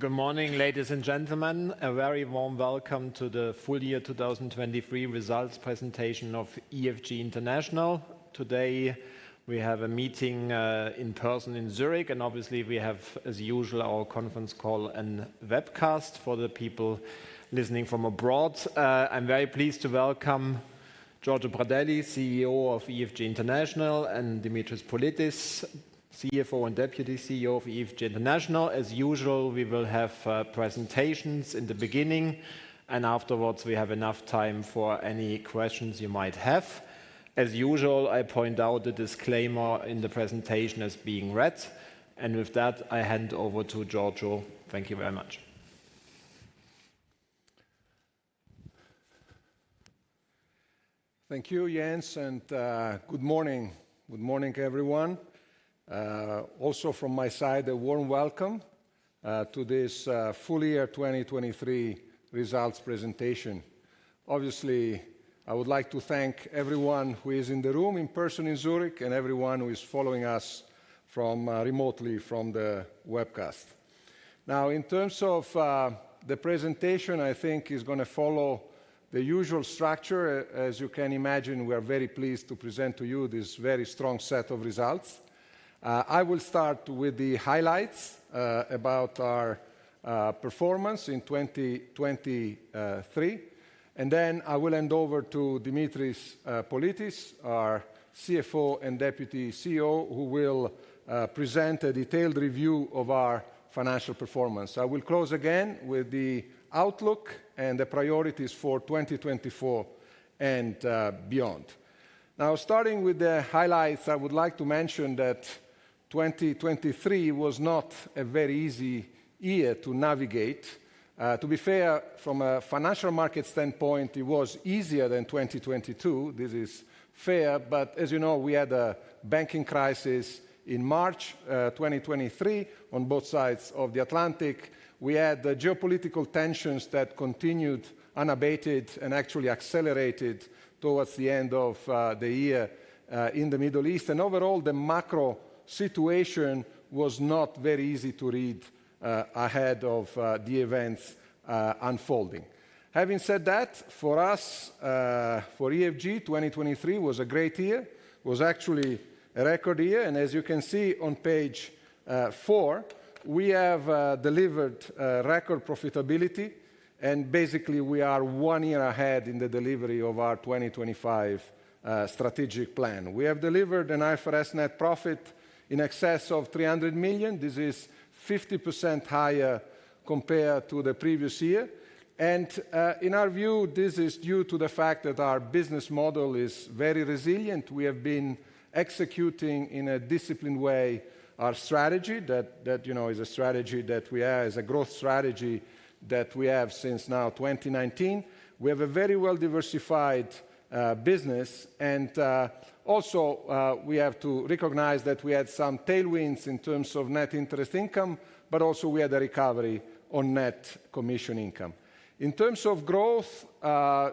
Good morning, ladies and gentlemen. A very warm welcome to the full year 2023 results presentation of EFG International. Today we have a meeting in person in Zurich, and obviously we have, as usual, our conference call and webcast for the people listening from abroad. I'm very pleased to welcome Giorgio Pradelli, CEO of EFG International, and Dimitris Politis, CFO and Deputy CEO of EFG International. As usual, we will have presentations in the beginning, and afterwards we have enough time for any questions you might have. As usual, I point out the disclaimer in the presentation as being read, and with that I hand over to Giorgio. Thank you very much. Thank you, Jens, and good morning. Good morning, everyone. Also from my side, a warm welcome to this full year 2023 results presentation. Obviously, I would like to thank everyone who is in the room in person in Zurich and everyone who is following us remotely from the webcast. Now, in terms of the presentation, I think it's going to follow the usual structure. As you can imagine, we are very pleased to present to you this very strong set of results. I will start with the highlights about our performance in 2023, and then I will hand over to Dimitris Politis, our CFO and Deputy CEO, who will present a detailed review of our financial performance. I will close again with the outlook and the priorities for 2024 and beyond. Now, starting with the highlights, I would like to mention that 2023 was not a very easy year to navigate. To be fair, from a financial market standpoint, it was easier than 2022. This is fair, but as you know, we had a banking crisis in March 2023 on both sides of the Atlantic. We had geopolitical tensions that continued unabated and actually accelerated towards the end of the year in the Middle East, and overall the macro situation was not very easy to read ahead of the events unfolding. Having said that, for us, for EFG, 2023 was a great year. It was actually a record year, and as you can see on page four, we have delivered record profitability, and basically we are one year ahead in the delivery of our 2025 strategic plan. We have delivered an IFRS net profit in excess of 300 million. This is 50% higher compared to the previous year, and in our view, this is due to the fact that our business model is very resilient. We have been executing in a disciplined way our strategy that is a strategy that we have as a growth strategy that we have since now 2019. We have a very well-diversified business, and also we have to recognize that we had some tailwinds in terms of net interest income, but also we had a recovery on net commission income. In terms of growth,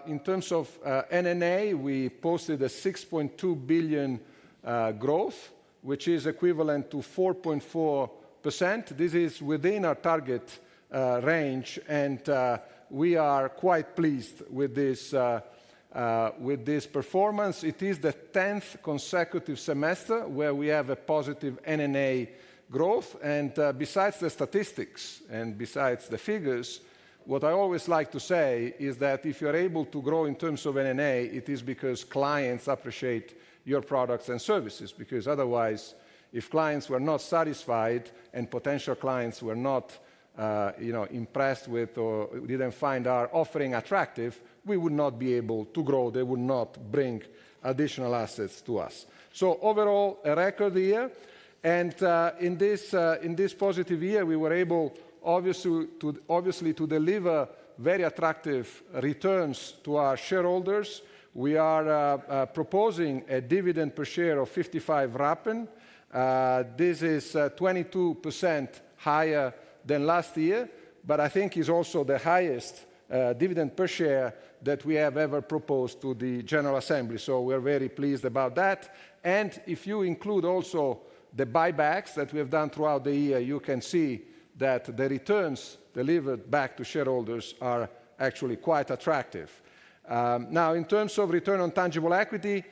in terms of NNA, we posted a 6.2 billion growth, which is equivalent to 4.4%. This is within our target range, and we are quite pleased with this performance. It is the 10th consecutive semester where we have a positive NNA growth, and besides the statistics and besides the figures, what I always like to say is that if you are able to grow in terms of NNA, it is because clients appreciate your products and services, because otherwise if clients were not satisfied and potential clients were not impressed with or didn't find our offering attractive, we would not be able to grow. They would not bring additional assets to us. So overall, a record year, and in this positive year we were able obviously to deliver very attractive returns to our shareholders. We are proposing a dividend per share of 55 Rappen. This is 22% higher than last year, but I think it's also the highest dividend per share that we have ever proposed to the General Assembly, so we are very pleased about that. If you include also the buybacks that we have done throughout the year, you can see that the returns delivered back to shareholders are actually quite attractive. Now, in terms of return on tangible equity,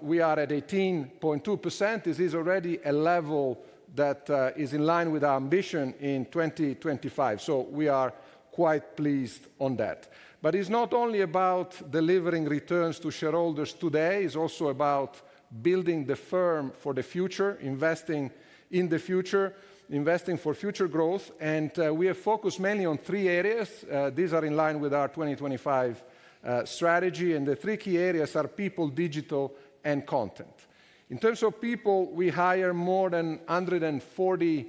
we are at 18.2%. This is already a level that is in line with our ambition in 2025, so we are quite pleased on that. But it's not only about delivering returns to shareholders today. It's also about building the firm for the future, investing in the future, investing for future growth, and we have focused mainly on three areas. These are in line with our 2025 strategy, and the three key areas are people, digital, and content. In terms of people, we hired more than 140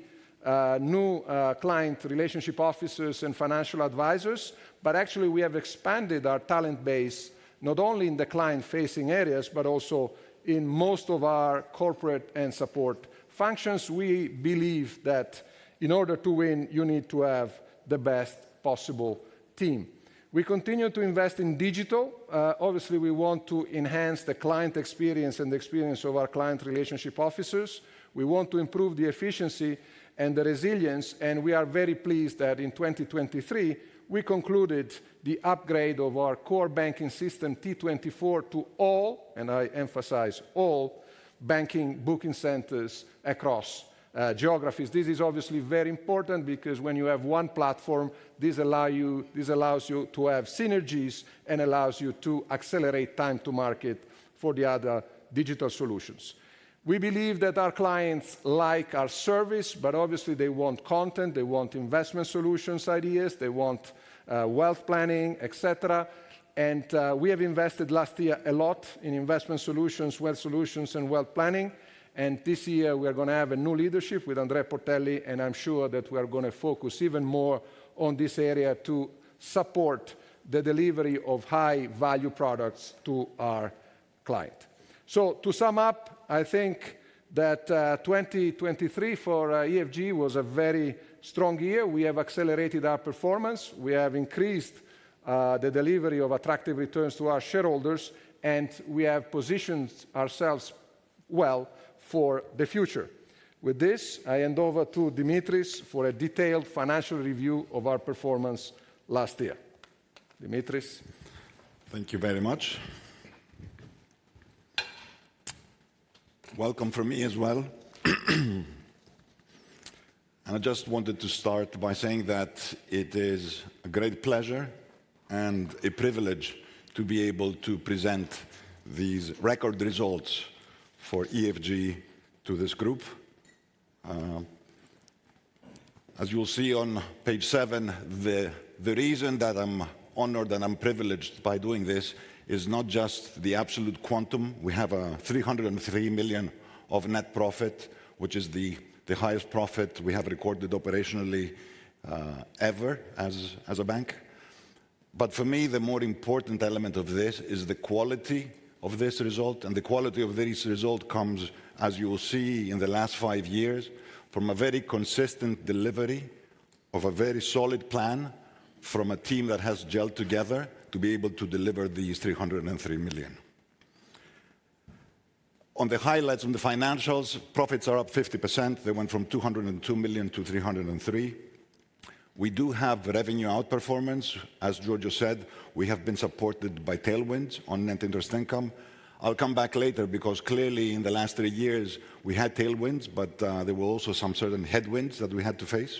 new client relationship officers and financial advisors, but actually we have expanded our talent base not only in the client-facing areas but also in most of our corporate and support functions. We believe that in order to win, you need to have the best possible team. We continue to invest in digital. Obviously, we want to enhance the client experience and the experience of our client relationship officers. We want to improve the efficiency and the resilience, and we are very pleased that in 2023 we concluded the upgrade of our core banking system T24 to all, and I emphasize all, banking booking centers across geographies. This is obviously very important because when you have one platform, this allows you to have synergies and allows you to accelerate time to market for the other digital solutions. We believe that our clients like our service, but obviously they want content. They want investment solutions, ideas. They want wealth planning, etc. And we have invested last year a lot in investment solutions, wealth solutions, and wealth planning, and this year we are going to have a new leadership with Andre Portelli, and I'm sure that we are going to focus even more on this area to support the delivery of high-value products to our client. So to sum up, I think that 2023 for EFG was a very strong year. We have accelerated our performance. We have increased the delivery of attractive returns to our shareholders, and we have positioned ourselves well for the future. With this, I hand over to Dimitris for a detailed financial review of our performance last year. Dimitris. Thank you very much. Welcome from me as well. And I just wanted to start by saying that it is a great pleasure and a privilege to be able to present these record results for EFG to this group. As you will see on page seven, the reason that I'm honored and I'm privileged by doing this is not just the absolute quantum. We have 303 million of net profit, which is the highest profit we have recorded operationally ever as a bank. But for me, the more important element of this is the quality of this result, and the quality of this result comes, as you will see in the last five years, from a very consistent delivery of a very solid plan from a team that has gelled together to be able to deliver these 303 million. On the highlights from the financials, profits are up 50%. They went from 202 million-303 million. We do have revenue outperformance. As Giorgio said, we have been supported by tailwinds on net interest income. I'll come back later because clearly in the last three years we had tailwinds, but there were also some certain headwinds that we had to face.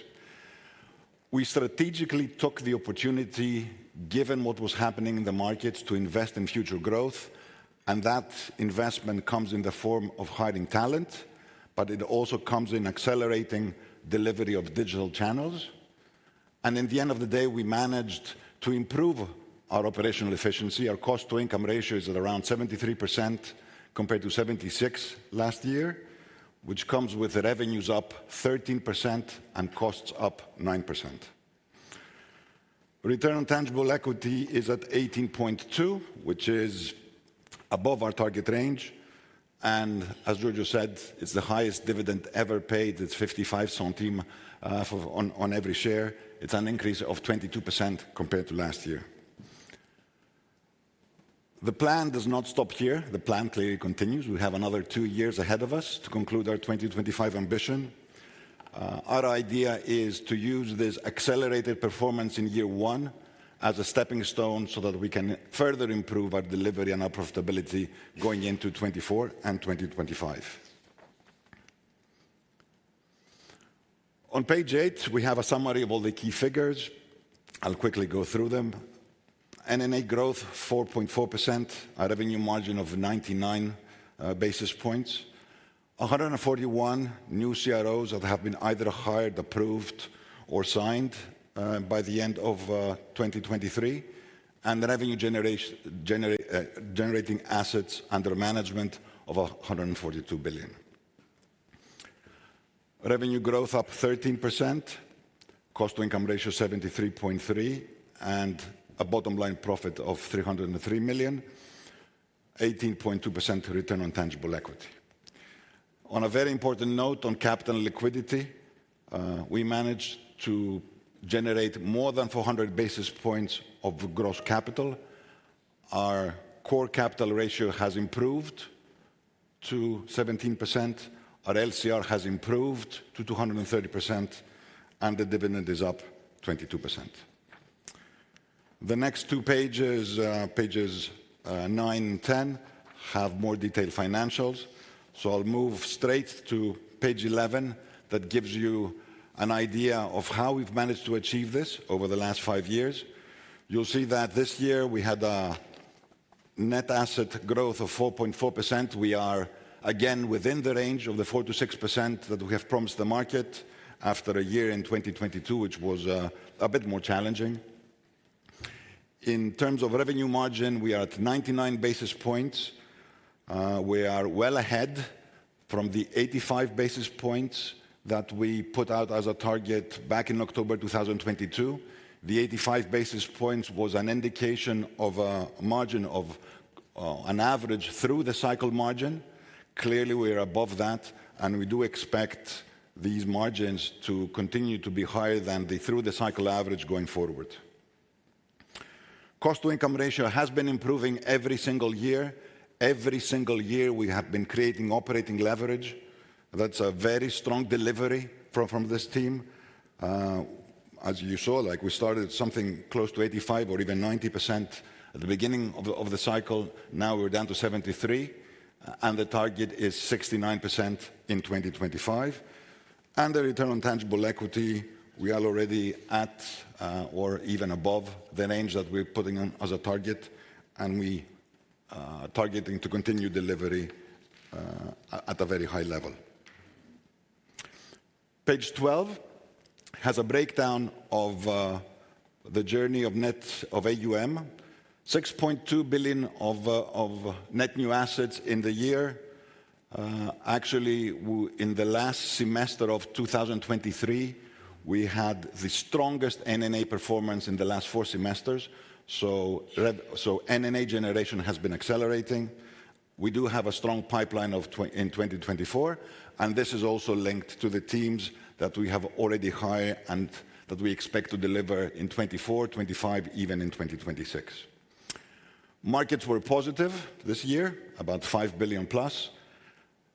We strategically took the opportunity, given what was happening in the markets, to invest in future growth, and that investment comes in the form of hiring talent, but it also comes in accelerating delivery of digital channels. And in the end of the day, we managed to improve our operational efficiency. Our cost-to-income ratio is at around 73% compared to 76% last year, which comes with revenues up 13% and costs up 9%. Return on tangible equity is at 18.2, which is above our target range, and as Giorgio said, it's the highest dividend ever paid. It's 55 Rappen on every share. It's an increase of 22% compared to last year. The plan does not stop here. The plan clearly continues. We have another 2 years ahead of us to conclude our 2025 ambition. Our idea is to use this accelerated performance in year one as a stepping stone so that we can further improve our delivery and our profitability going into 2024 and 2025. On page eight, we have a summary of all the key figures. I'll quickly go through them. NNA growth 4.4%, a revenue margin of 99 basis points, 141 new CROs that have been either hired, approved, or signed by the end of 2023, and revenue generating assets under management of 142 billion. Revenue growth up 13%, cost-to-income ratio 73.3%, and a bottom line profit of 303 million, 18.2% return on tangible equity. On a very important note, on capital liquidity, we managed to generate more than 400 basis points of gross capital. Our core capital ratio has improved to 17%. Our LCR has improved to 230%, and the dividend is up 22%. The next two pages, pages nine and 10, have more detailed financials, so I'll move straight to page 11 that gives you an idea of how we've managed to achieve this over the last five years. You'll see that this year we had a net asset growth of 4.4%. We are again within the range of the 4%-6% that we have promised the market after a year in 2022, which was a bit more challenging. In terms of revenue margin, we are at 99 basis points. We are well ahead from the 85 basis points that we put out as a target back in October 2022. The 85 basis points was an indication of a margin of an average through the cycle margin. Clearly, we are above that, and we do expect these margins to continue to be higher than the through-the-cycle average going forward. Cost-to-income ratio has been improving every single year. Every single year we have been creating operating leverage. That's a very strong delivery from this team. As you saw, we started something close to 85 or even 90% at the beginning of the cycle. Now we're down to 73%, and the target is 69% in 2025. Under return on tangible equity, we are already at or even above the range that we're putting as a target, and we are targeting to continue delivery at a very high level. Page 12 has a breakdown of the journey of net new AUM. 6.2 billion of net new assets in the year. Actually, in the last semester of 2023, we had the strongest NNA performance in the last four semesters, so NNA generation has been accelerating. We do have a strong pipeline in 2024, and this is also linked to the teams that we have already hired and that we expect to deliver in 2024, 2025, even in 2026. Markets were positive this year, about 5 billion plus.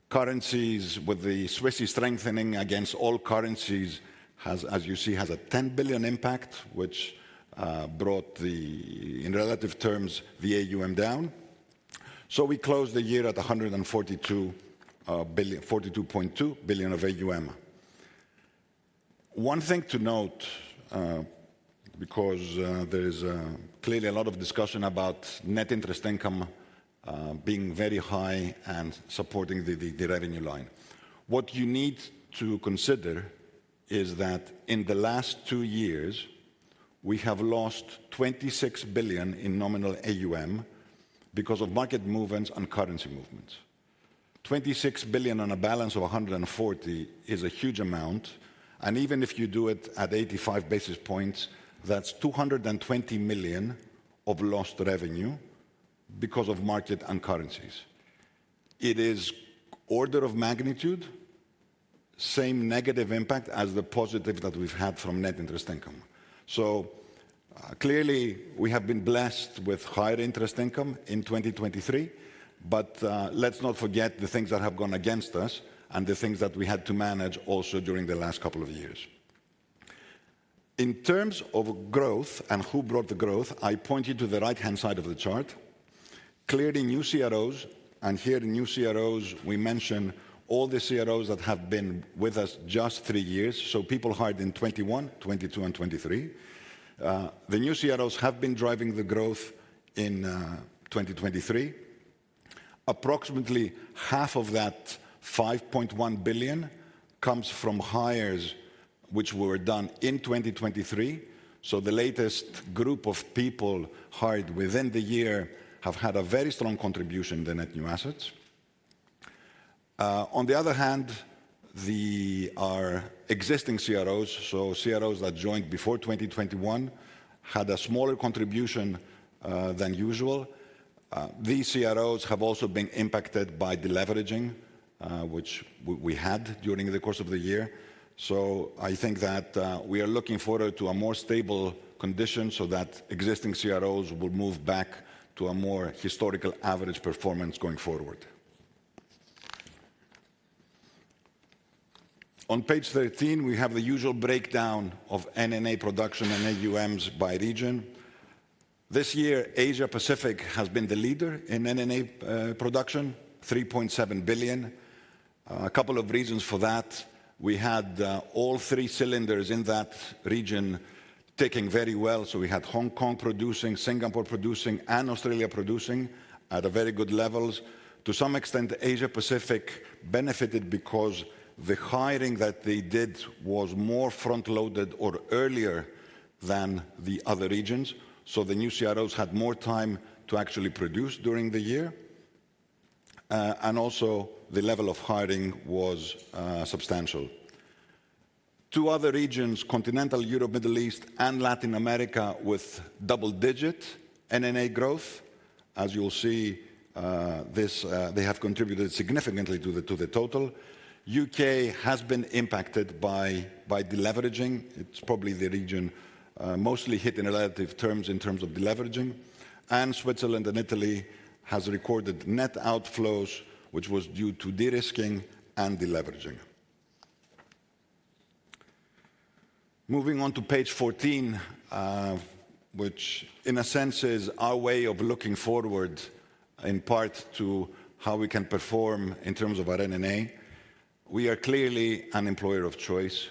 Currencies, with the Swiss strengthening against all currencies, as you see, has a 10 billion impact, which brought the, in relative terms, the AUM down. So we closed the year at 142.2 billion of AUM. One thing to note, because there is clearly a lot of discussion about net interest income being very high and supporting the revenue line. What you need to consider is that in the last two years we have lost 26 billion in nominal AUM because of market movements and currency movements. 26 billion on a balance of 140 billion is a huge amount, and even if you do it at 85 basis points, that's 220 million of lost revenue because of market and currencies. It is order of magnitude, same negative impact as the positive that we've had from net interest income. So clearly we have been blessed with higher interest income in 2023, but let's not forget the things that have gone against us and the things that we had to manage also during the last couple of years. In terms of growth and who brought the growth, I pointed to the right-hand side of the chart, clearly new CROs, and here in new CROs we mention all the CROs that have been with us just three years, so people hired in 2021, 2022, and 2023. The new CROs have been driving the growth in 2023. Approximately half of that 5.1 billion comes from hires which were done in 2023, so the latest group of people hired within the year have had a very strong contribution to net new assets. On the other hand, our existing CROs, so CROs that joined before 2021, had a smaller contribution than usual. These CROs have also been impacted by deleveraging, which we had during the course of the year. So I think that we are looking forward to a more stable condition so that existing CROs will move back to a more historical average performance going forward. On page 13, we have the usual breakdown of NNA production and AUMs by region. This year, Asia-Pacific has been the leader in NNA production, 3.7 billion. A couple of reasons for that. We had all three cylinders in that region ticking very well, so we had Hong Kong producing, Singapore producing, and Australia producing at very good levels. To some extent, Asia-Pacific benefited because the hiring that they did was more front-loaded or earlier than the other regions, so the new CROs had more time to actually produce during the year, and also the level of hiring was substantial. Two other regions, Continental Europe, Middle East, and Latin America, with double-digit NNA growth. As you will see, they have contributed significantly to the total. The U.K. has been impacted by deleveraging. It's probably the region mostly hit in relative terms in terms of deleveraging, and Switzerland and Italy have recorded net outflows, which was due to derisking and deleveraging. Moving on to page 14, which in a sense is our way of looking forward in part to how we can perform in terms of our NNA. We are clearly an employer of choice.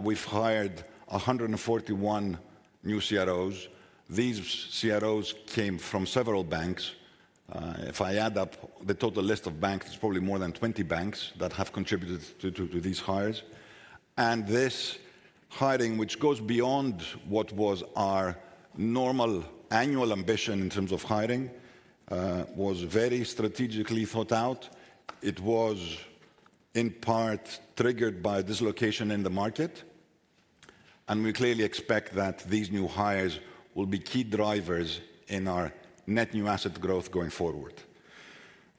We've hired 141 new CROs. These CROs came from several banks. If I add up the total list of banks, it's probably more than 20 banks that have contributed to these hires, and this hiring, which goes beyond what was our normal annual ambition in terms of hiring, was very strategically thought out. It was in part triggered by dislocation in the market, and we clearly expect that these new hires will be key drivers in our net new asset growth going forward.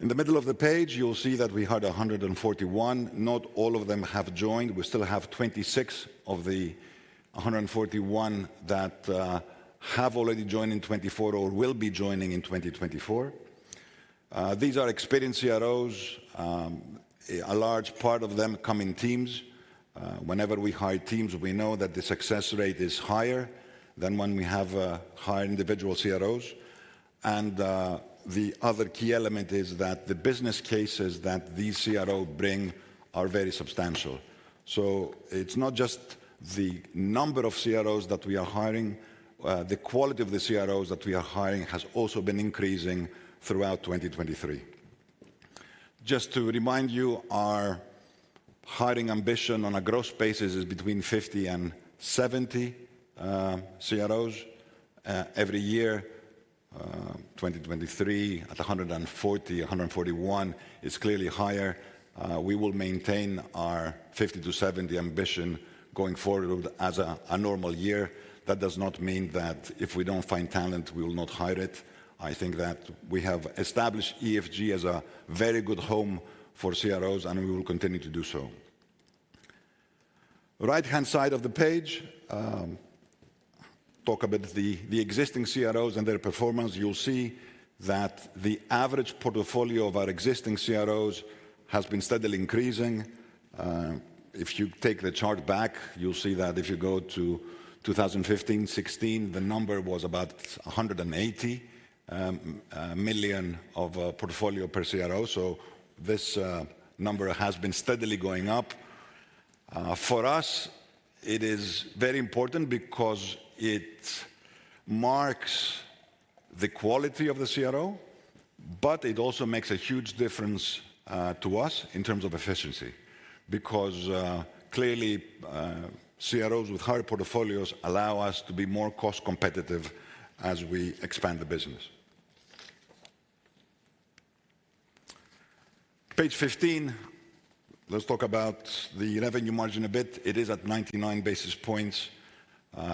In the middle of the page, you'll see that we had 141. Not all of them have joined. We still have 26 of the 141 that have already joined in 2024 or will be joining in 2024. These are experienced CROs, a large part of them coming teams. Whenever we hire teams, we know that the success rate is higher than when we have hired individual CROs, and the other key element is that the business cases that these CROs bring are very substantial. So it's not just the number of CROs that we are hiring. The quality of the CROs that we are hiring has also been increasing throughout 2023. Just to remind you, our hiring ambition on a gross basis is between 50 and 70 CROs every year. 2023 at 140, 141 is clearly higher. We will maintain our 50-70 ambition going forward as a normal year. That does not mean that if we don't find talent, we will not hire it. I think that we have established EFG as a very good home for CROs, and we will continue to do so. Right-hand side of the page, talk a bit about the existing CROs and their performance. You'll see that the average portfolio of our existing CROs has been steadily increasing. If you take the chart back, you'll see that if you go to 2015, 2016, the number was about 180 million of a portfolio per CRO, so this number has been steadily going up. For us, it is very important because it marks the quality of the CRO, but it also makes a huge difference to us in terms of efficiency because clearly CROs with higher portfolios allow us to be more cost-competitive as we expand the business. Page 15, let's talk about the revenue margin a bit. It is at 99 basis points.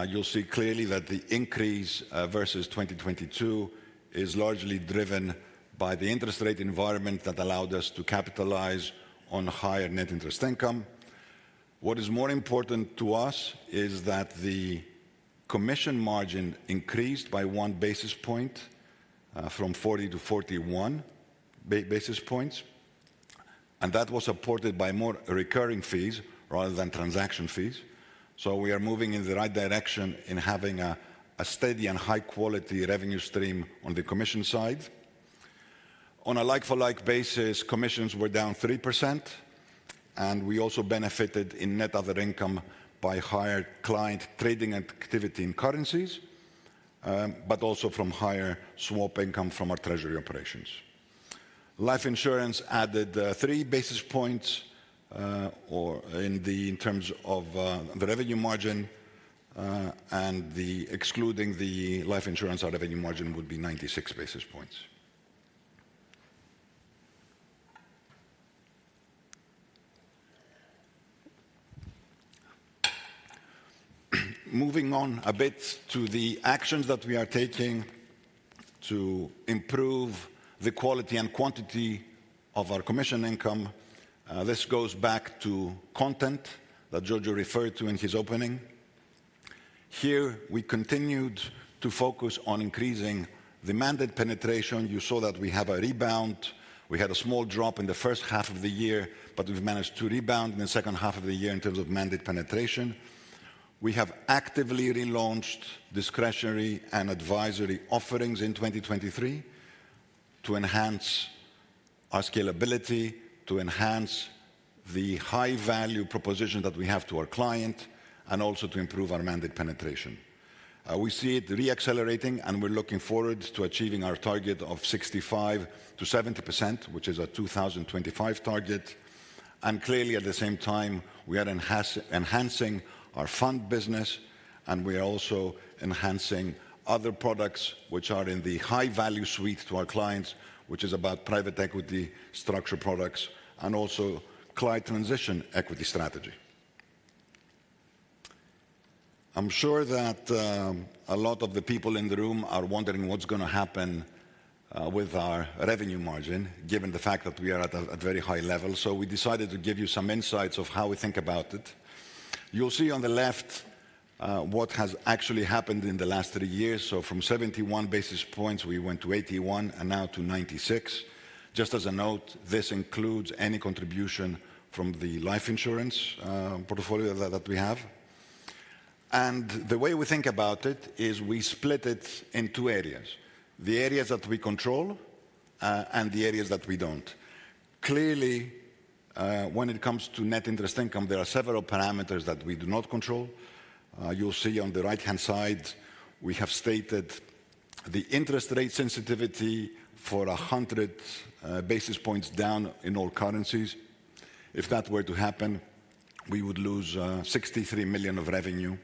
You'll see clearly that the increase versus 2022 is largely driven by the interest rate environment that allowed us to capitalize on higher net interest income. What is more important to us is that the commission margin increased by 1 basis point from 40-41 basis points, and that was supported by more recurring fees rather than transaction fees. So we are moving in the right direction in having a steady and high-quality revenue stream on the commission side. On a like-for-like basis, commissions were down 3%, and we also benefited in net other income by higher client trading activity in currencies, but also from higher swap income from our treasury operations. Life insurance added three basis points in terms of the revenue margin, and excluding the life insurance, our revenue margin would be 96 basis points. Moving on a bit to the actions that we are taking to improve the quality and quantity of our commission income. This goes back to content that Giorgio referred to in his opening. Here, we continued to focus on increasing the mandate penetration. You saw that we have a rebound. We had a small drop in the first half of the year, but we've managed to rebound in the second half of the year in terms of mandate penetration. We have actively relaunched discretionary and advisory offerings in 2023 to enhance our scalability, to enhance the high-value proposition that we have to our client, and also to improve our mandate penetration. We see it reaccelerating, and we're looking forward to achieving our target of 65%-70%, which is our 2025 target, and clearly at the same time, we are enhancing our fund business, and we are also enhancing other products which are in the high-value suite to our clients, which is about private equity structured products and also client transition equity strategy. I'm sure that a lot of the people in the room are wondering what's going to happen with our revenue margin given the fact that we are at a very high level, so we decided to give you some insights of how we think about it. You'll see on the left what has actually happened in the last three years. So from 71 basis points, we went to 81 and now to 96. Just as a note, this includes any contribution from the life insurance portfolio that we have, and the way we think about it is we split it in two areas, the areas that we control and the areas that we don't. Clearly, when it comes to net interest income, there are several parameters that we do not control. You'll see on the right-hand side, we have stated the interest rate sensitivity for 100 basis points down in all currencies. If that were to happen, we would lose 63 million of revenue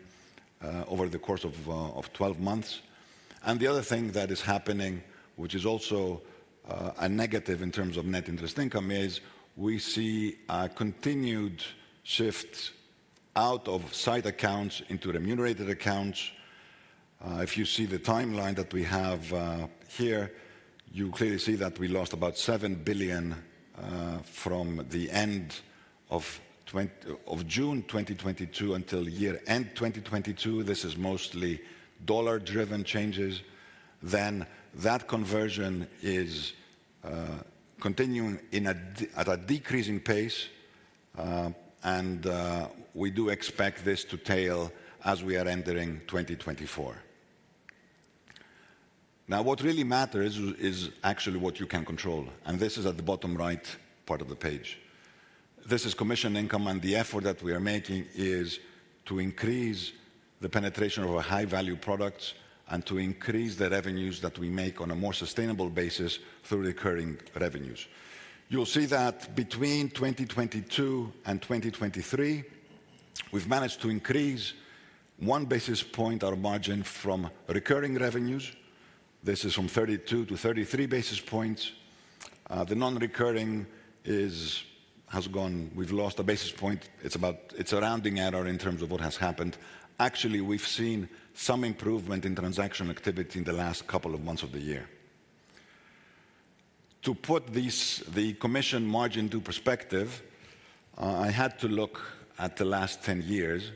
over the course of 12 months. The other thing that is happening, which is also a negative in terms of net interest income, is we see a continued shift out of sight accounts into remunerated accounts. If you see the timeline that we have here, you clearly see that we lost about 7 billion from the end of June 2022 until year-end 2022. This is mostly dollar-driven changes. Then that conversion is continuing at a decreasing pace, and we do expect this to tail as we are entering 2024. Now, what really matters is actually what you can control, and this is at the bottom right part of the page. This is commission income, and the effort that we are making is to increase the penetration of our high-value products and to increase the revenues that we make on a more sustainable basis through recurring revenues. You'll see that between 2022 and 2023, we've managed to increase one basis point our margin from recurring revenues. This is from 32-33 basis points. The non-recurring has gone. We've lost a basis point. It's around the error in terms of what has happened. Actually, we've seen some improvement in transaction activity in the last couple of months of the year. To put the commission margin into perspective, I had to look at the last 10 years.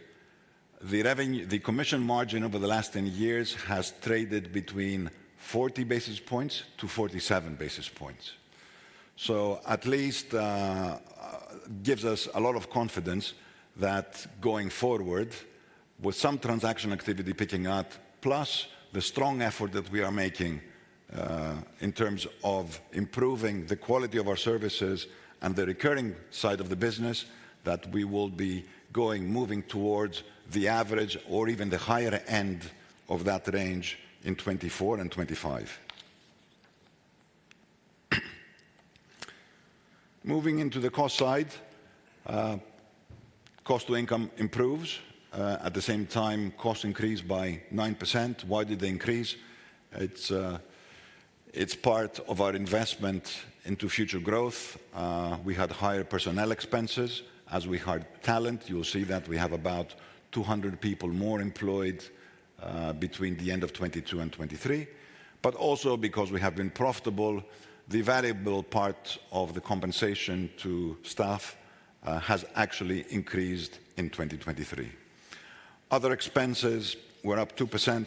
The commission margin over the last 10 years has traded between 40-47 basis points, so at least it gives us a lot of confidence that going forward, with some transaction activity picking up plus the strong effort that we are making in terms of improving the quality of our services and the recurring side of the business, that we will be moving towards the average or even the higher end of that range in 2024 and 2025. Moving into the cost side, cost to income improves. At the same time, cost increased by 9%. Why did they increase? It's part of our investment into future growth. We had higher personnel expenses as we hired talent. You'll see that we have about 200 people more employed between the end of 2022 and 2023, but also because we have been profitable, the valuable part of the compensation to staff has actually increased in 2023. Other expenses were up 2%,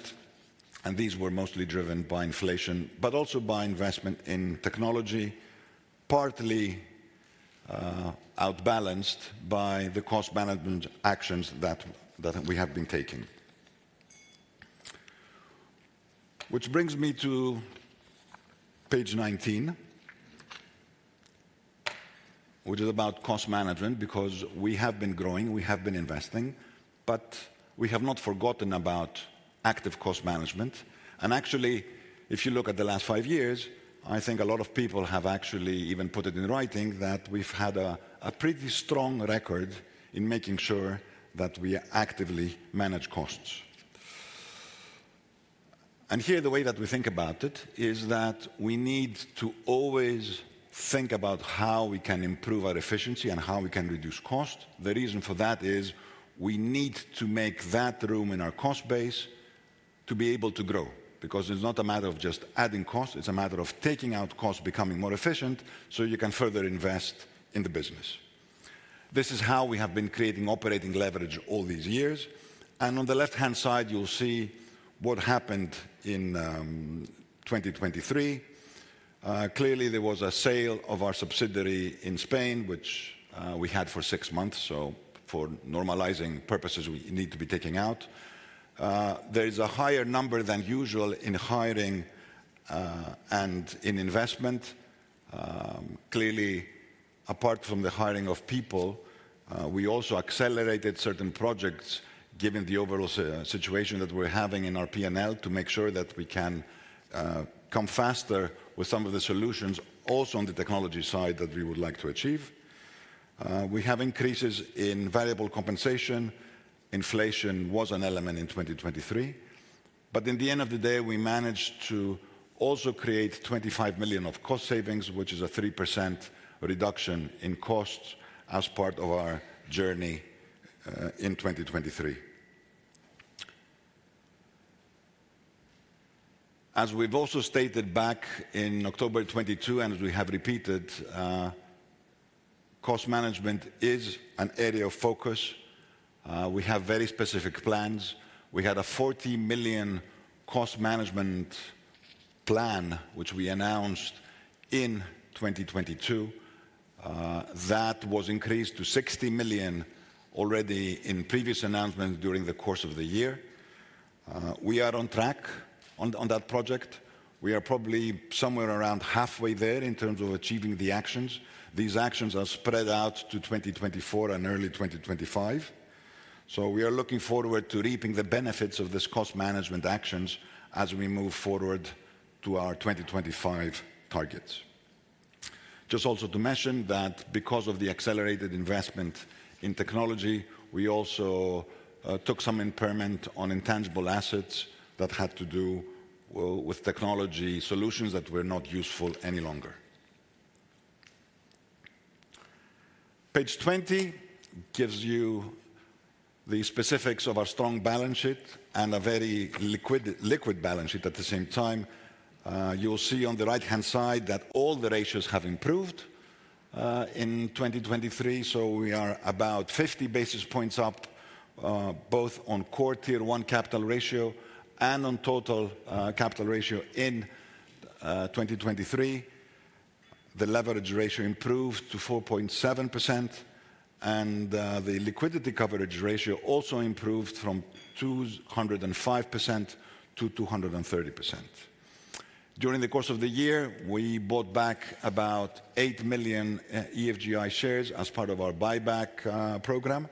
and these were mostly driven by inflation but also by investment in technology, partly outbalanced by the cost management actions that we have been taking, which brings me to page 19, which is about cost management because we have been growing. We have been investing, but we have not forgotten about active cost management. And actually, if you look at the last five years, I think a lot of people have actually even put it in writing that we've had a pretty strong record in making sure that we actively manage costs. Here, the way that we think about it is that we need to always think about how we can improve our efficiency and how we can reduce cost. The reason for that is we need to make that room in our cost base to be able to grow because it's not a matter of just adding cost. It's a matter of taking out cost, becoming more efficient so you can further invest in the business. This is how we have been creating operating leverage all these years. On the left-hand side, you'll see what happened in 2023. Clearly, there was a sale of our subsidiary in Spain, which we had for six months, so for normalizing purposes, we need to be taking out. There is a higher number than usual in hiring and in investment. Clearly, apart from the hiring of people, we also accelerated certain projects given the overall situation that we're having in our P&L to make sure that we can come faster with some of the solutions also on the technology side that we would like to achieve. We have increases in variable compensation. Inflation was an element in 2023, but in the end of the day, we managed to also create 25 million of cost savings, which is a 3% reduction in costs as part of our journey in 2023. As we've also stated back in October 2022, and as we have repeated, cost management is an area of focus. We have very specific plans. We had a 40 million cost management plan, which we announced in 2022. That was increased to 60 million already in previous announcements during the course of the year. We are on track on that project. We are probably somewhere around halfway there in terms of achieving the actions. These actions are spread out to 2024 and early 2025, so we are looking forward to reaping the benefits of these cost management actions as we move forward to our 2025 targets. Just also to mention that because of the accelerated investment in technology, we also took some impairment on intangible assets that had to do with technology solutions that were not useful any longer. Page 20 gives you the specifics of our strong balance sheet and a very liquid balance sheet at the same time. You'll see on the right-hand side that all the ratios have improved in 2023, so we are about 50 basis points up both on core tier one capital ratio and on total capital ratio in 2023. The leverage ratio improved to 4.7%, and the liquidity coverage ratio also improved from 205%-230%. During the course of the year, we bought back about 8 million EFGI shares as part of our buyback program,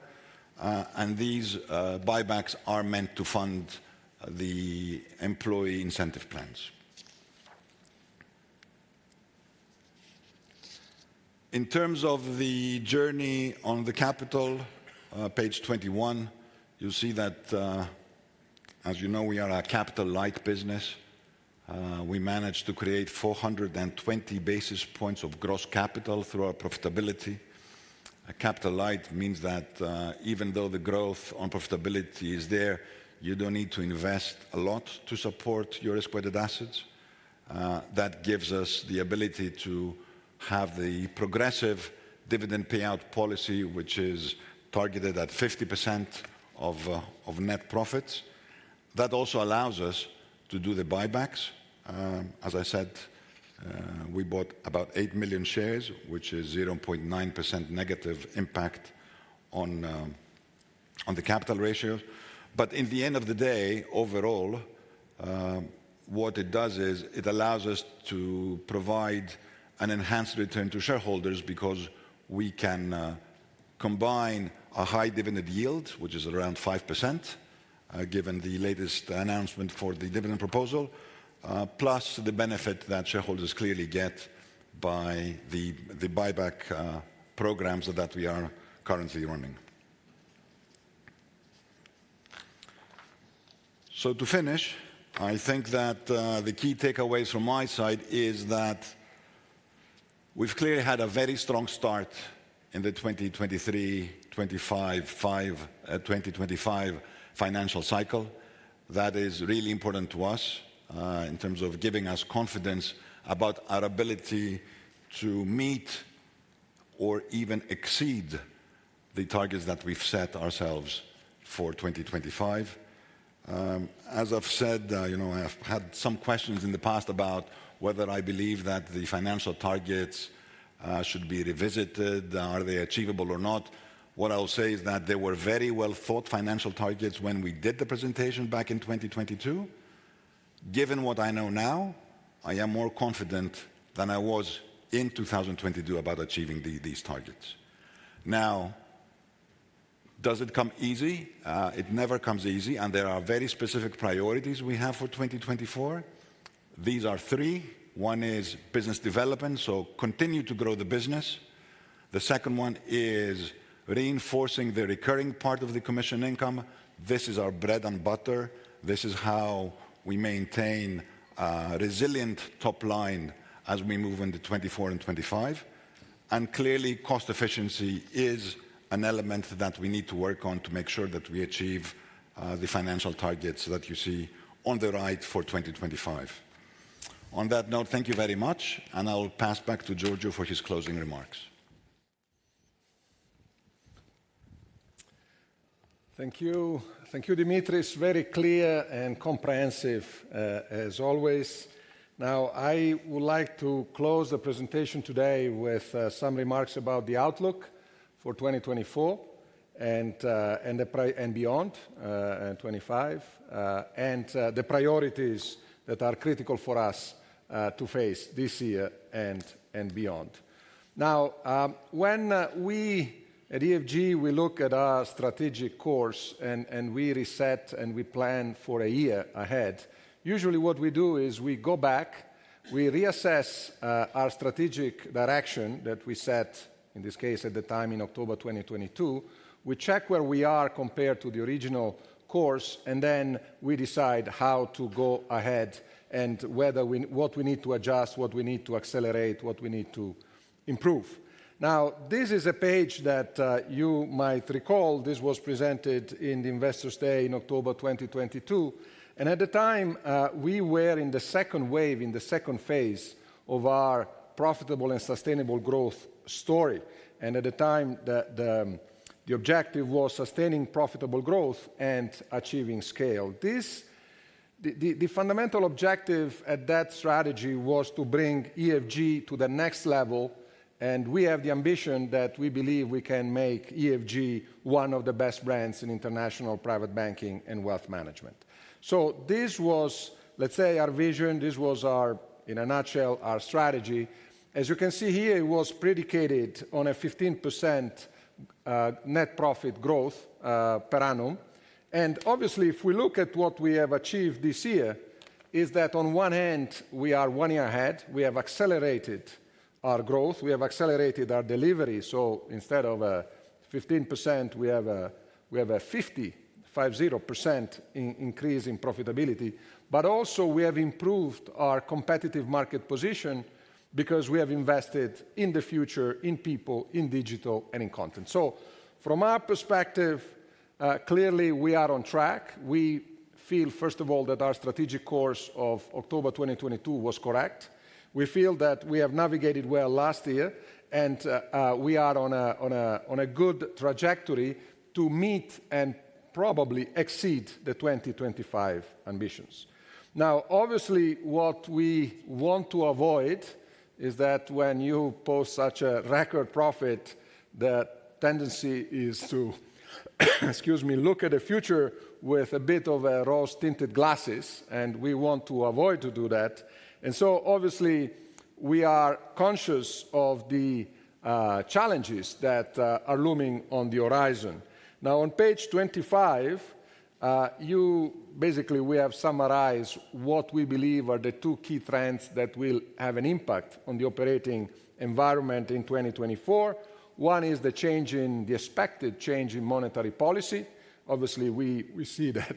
and these buybacks are meant to fund the employee incentive plans. In terms of the journey on the capital, page 21, you'll see that, as you know, we are a capital light business. We managed to create 420 basis points of gross capital through our profitability. Capital light means that even though the growth on profitability is there, you don't need to invest a lot to support your squared assets. That gives us the ability to have the progressive dividend payout policy, which is targeted at 50% of net profits. That also allows us to do the buybacks. As I said, we bought about 8 million shares, which is 0.9% negative impact on the capital ratio. But in the end of the day, overall, what it does is it allows us to provide an enhanced return to shareholders because we can combine a high dividend yield, which is around 5% given the latest announcement for the dividend proposal, plus the benefit that shareholders clearly get by the buyback programs that we are currently running. So to finish, I think that the key takeaways from my side is that we've clearly had a very strong start in the 2023-2025 financial cycle that is really important to us in terms of giving us confidence about our ability to meet or even exceed the targets that we've set ourselves for 2025. As I've said, I have had some questions in the past about whether I believe that the financial targets should be revisited. Are they achievable or not? What I'll say is that they were very well-thought financial targets when we did the presentation back in 2022. Given what I know now, I am more confident than I was in 2022 about achieving these targets. Now, does it come easy? It never comes easy, and there are very specific priorities we have for 2024. These are three. One is business development, so continue to grow the business. The second one is reinforcing the recurring part of the commission income. This is our bread and butter. This is how we maintain a resilient top line as we move into 2024 and 2025. Clearly, cost efficiency is an element that we need to work on to make sure that we achieve the financial targets that you see on the right for 2025. On that note, thank you very much, and I'll pass back to Giorgio for his closing remarks. Thank you. Thank you, Dimitris. Very clear and comprehensive as always. Now, I would like to close the presentation today with some remarks about the outlook for 2024 and beyond 2025 and the priorities that are critical for us to face this year and beyond. Now, when we at EFG, we look at our strategic course and we reset and we plan for a year ahead. Usually, what we do is we go back, we reassess our strategic direction that we set, in this case, at the time in October 2022. We check where we are compared to the original course, and then we decide how to go ahead and what we need to adjust, what we need to accelerate, what we need to improve. Now, this is a page that you might recall. This was presented in the Investors' Day in October 2022. At the time, we were in the second wave, in the second phase of our profitable and sustainable growth story. At the time, the objective was sustaining profitable growth and achieving scale. The fundamental objective at that strategy was to bring EFG to the next level, and we have the ambition that we believe we can make EFG one of the best brands in international private banking and wealth management. This was, let's say, our vision. This was, in a nutshell, our strategy. As you can see here, it was predicated on a 15% net profit growth per annum. Obviously, if we look at what we have achieved this year, it is that on one hand, we are one year ahead. We have accelerated our growth. We have accelerated our delivery. So instead of a 15%, we have a 50% increase in profitability. But also, we have improved our competitive market position because we have invested in the future, in people, in digital, and in content. So from our perspective, clearly, we are on track. We feel, first of all, that our strategic course of October 2022 was correct. We feel that we have navigated well last year, and we are on a good trajectory to meet and probably exceed the 2025 ambitions. Now, obviously, what we want to avoid is that when you post such a record profit, the tendency is to, excuse me, look at the future with a bit of rose-tinted glasses, and we want to avoid doing that. And so obviously, we are conscious of the challenges that are looming on the horizon. Now, on page 25, basically, we have summarized what we believe are the two key trends that will have an impact on the operating environment in 2024. One is the expected change in monetary policy. Obviously, we see that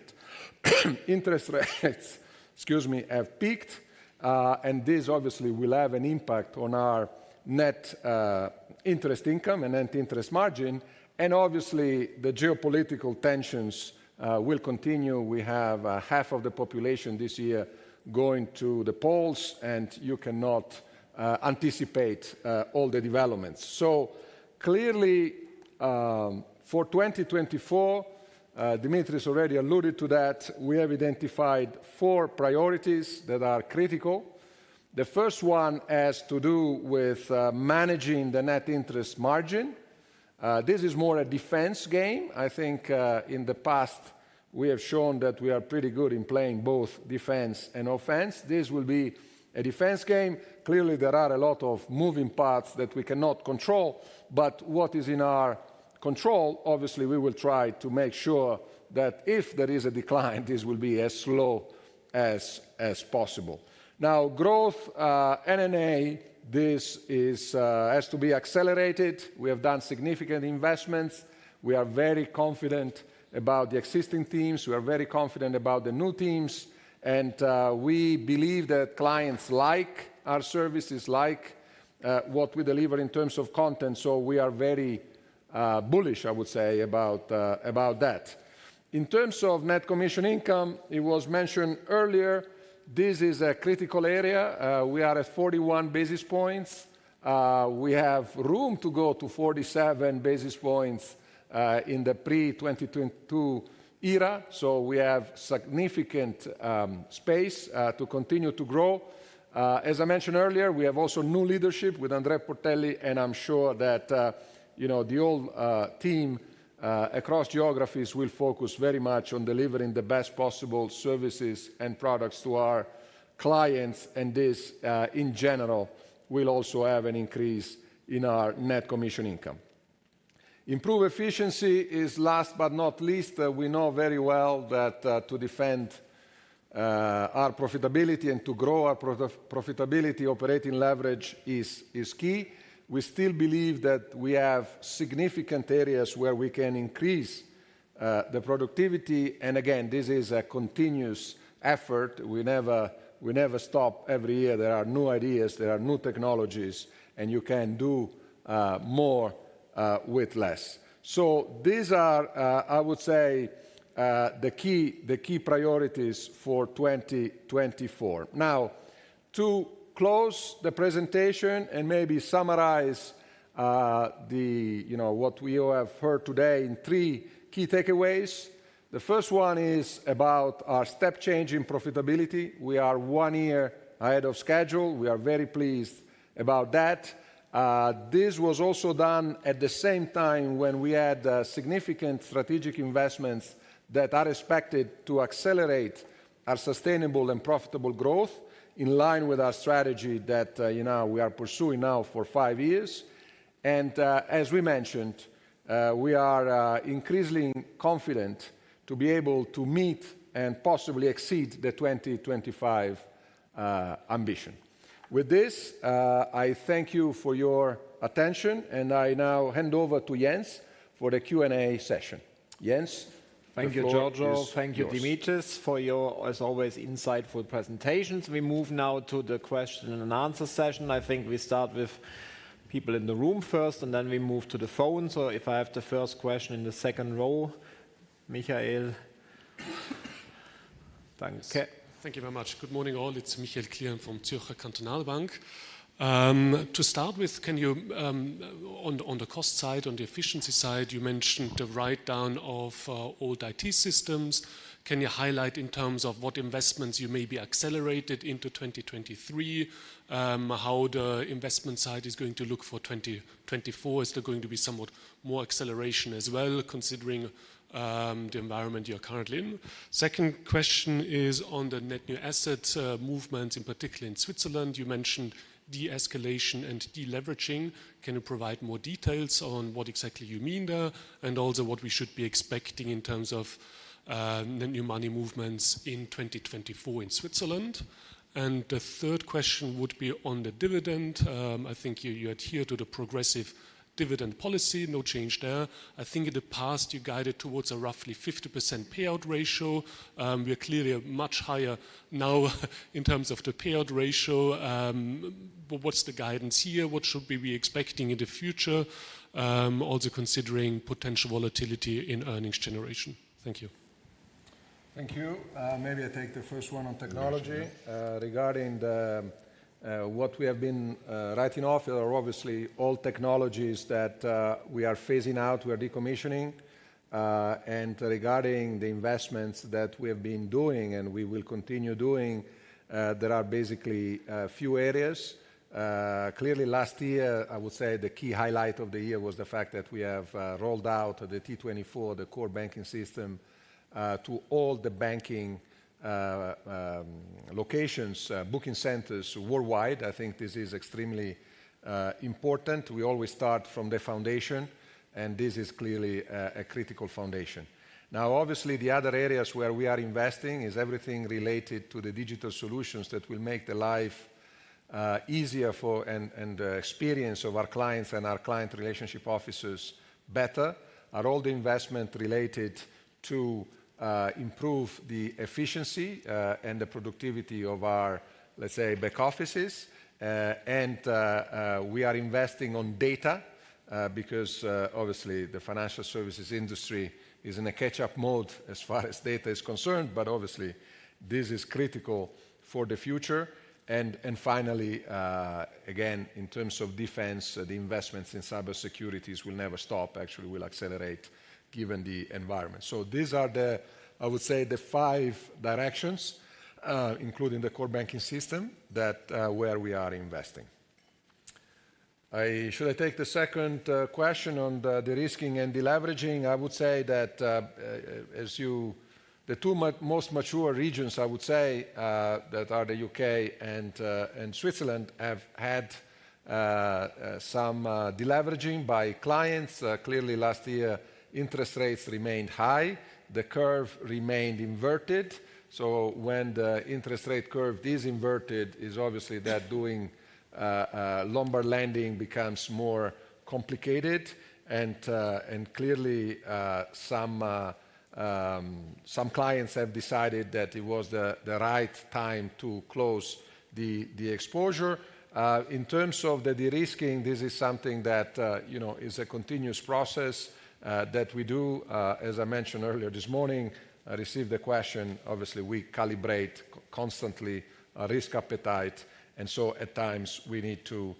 interest rates, excuse me, have peaked, and this obviously will have an impact on our net interest income and net interest margin. And obviously, the geopolitical tensions will continue. We have half of the population this year going to the polls, and you cannot anticipate all the developments. So clearly, for 2024, Dimitris already alluded to that. We have identified four priorities that are critical. The first one has to do with managing the net interest margin. This is more a defense game. I think in the past, we have shown that we are pretty good in playing both defense and offense. This will be a defense game. Clearly, there are a lot of moving parts that we cannot control, but what is in our control, obviously, we will try to make sure that if there is a decline, this will be as slow as possible. Now, growth NNA, this has to be accelerated. We have done significant investments. We are very confident about the existing teams. We are very confident about the new teams, and we believe that clients like our services, like what we deliver in terms of content. So we are very bullish, I would say, about that. In terms of net commission income, it was mentioned earlier, this is a critical area. We are at 41 basis points. We have room to go to 47 basis points in the pre-2022 era. So we have significant space to continue to grow. As I mentioned earlier, we have also new leadership with Andre Portelli, and I'm sure that the old team across geographies will focus very much on delivering the best possible services and products to our clients, and this in general will also have an increase in our net commission income. Improve efficiency is last but not least. We know very well that to defend our profitability and to grow our profitability, operating leverage is key. We still believe that we have significant areas where we can increase the productivity. And again, this is a continuous effort. We never stop every year. There are new ideas. There are new technologies, and you can do more with less. So these are, I would say, the key priorities for 2024. Now, to close the presentation and maybe summarize what we have heard today in three key takeaways. The first one is about our step change in profitability. We are one year ahead of schedule. We are very pleased about that. This was also done at the same time when we had significant strategic investments that are expected to accelerate our sustainable and profitable growth in line with our strategy that we are pursuing now for five years. And as we mentioned, we are increasingly confident to be able to meet and possibly exceed the 2025 ambition. With this, I thank you for your attention, and I now hand over to Jens for the Q&A session. Jens, please follow. Thank you, Giorgio. Thank you, Dimitris, for your, as always, insightful presentations. We move now to the question and answer session. I think we start with people in the room first, and then we move to the phone. So if I have the first question in the second row, Michael. Thank you very much. Good morning, all. It's Michael Klien from Zürcher Kantonalbank. To start with, on the cost side, on the efficiency side, you mentioned the write-down of old IT systems. Can you highlight in terms of what investments you may be accelerating into 2023, how the investment side is going to look for 2024? Is there going to be somewhat more acceleration as well, considering the environment you are currently in? Second question is on the net new asset movements, in particular in Switzerland. You mentioned de-escalation and de-leveraging. Can you provide more details on what exactly you mean there and also what we should be expecting in terms of net new money movements in 2024 in Switzerland? And the third question would be on the dividend. I think you adhere to the progressive dividend policy. No change there. I think in the past, you guided towards a roughly 50% payout ratio. We are clearly much higher now in terms of the payout ratio. What's the guidance here? What should we be expecting in the future, also considering potential volatility in earnings generation? Thank you. Thank you. Maybe I take the first one on technology. Regarding what we have been writing off, there are obviously old technologies that we are phasing out. We are decommissioning. Regarding the investments that we have been doing and we will continue doing, there are basically few areas. Clearly, last year, I would say the key highlight of the year was the fact that we have rolled out the T24, the core banking system, to all the banking locations, booking centers worldwide. I think this is extremely important. We always start from the foundation, and this is clearly a critical foundation. Now, obviously, the other areas where we are investing is everything related to the digital solutions that will make the life easier and the experience of our clients and our client relationship officers better are all the investments related to improving the efficiency and the productivity of our, let's say, back offices. And we are investing on data because, obviously, the financial services industry is in a catch-up mode as far as data is concerned, but obviously, this is critical for the future. And finally, again, in terms of defense, the investments in cybersecurity will never stop. Actually, we'll accelerate given the environment. So these are, I would say, the five directions, including the core banking system, where we are investing. Should I take the second question on the derisking and deleveraging? I would say that the two most mature regions, I would say, that are the U.K. and Switzerland have had some de-leveraging by clients. Clearly, last year, interest rates remained high. The curve remained inverted. So when the interest rate curve is inverted, it is obviously that doing Lombard lending becomes more complicated. And clearly, some clients have decided that it was the right time to close the exposure. In terms of the de-risking, this is something that is a continuous process that we do. As I mentioned earlier this morning, I received the question. Obviously, we calibrate constantly our risk appetite. And so at times, we need to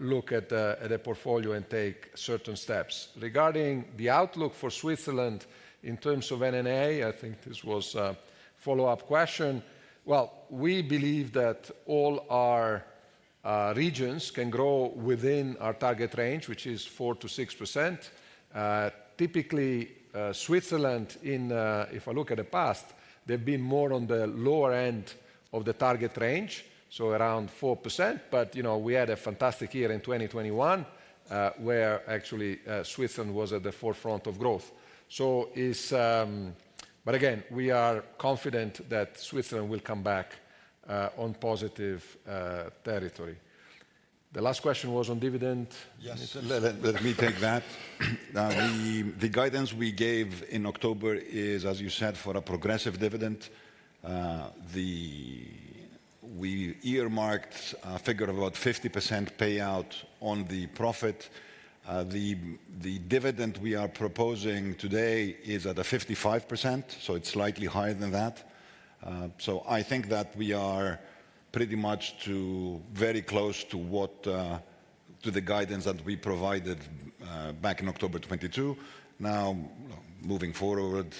look at a portfolio and take certain steps. Regarding the outlook for Switzerland in terms of NNA, I think this was a follow-up question. Well, we believe that all our regions can grow within our target range, which is 4%-6%. Typically, Switzerland, if I look at the past, they've been more on the lower end of the target range, so around 4%. But we had a fantastic year in 2021 where actually Switzerland was at the forefront of growth. But again, we are confident that Switzerland will come back on positive territory. The last question was on dividend. Yes. Let me take that. The guidance we gave in October is, as you said, for a progressive dividend. We earmarked a figure of about 50% payout on the profit. The dividend we are proposing today is at 55%. So it's slightly higher than that. So I think that we are pretty much very close to the guidance that we provided back in October 2022. Now, moving forward,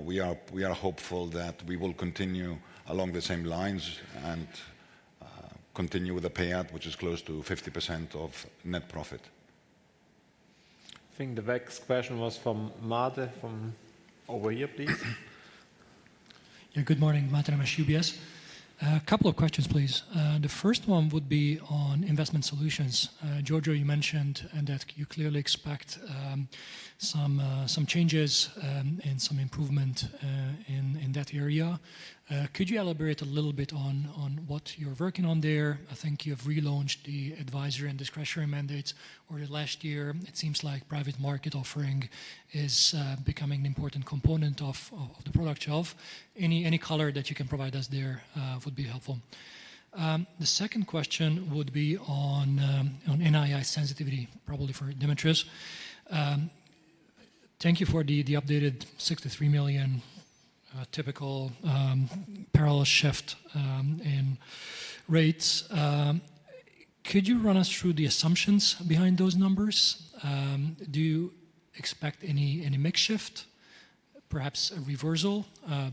we are hopeful that we will continue along the same lines and continue with a payout which is close to 50% of net profit. I think the next question was from Mate, from over here, please. Yeah. Good morning, Mate. I'm at UBS. A couple of questions, please. The first one would be on investment solutions. Giorgio, you mentioned and that you clearly expect some changes and some improvement in that area. Could you elaborate a little bit on what you're working on there? I think you have relaunched the advisory and discretionary mandates over the last year. It seems like private market offering is becoming an important component of the product shelf. Any color that you can provide us there would be helpful. The second question would be on NII sensitivity, probably for Dimitris. Thank you for the updated 63 million typical parallel shift in rates. Could you run us through the assumptions behind those numbers? Do you expect any mix shift, perhaps a reversal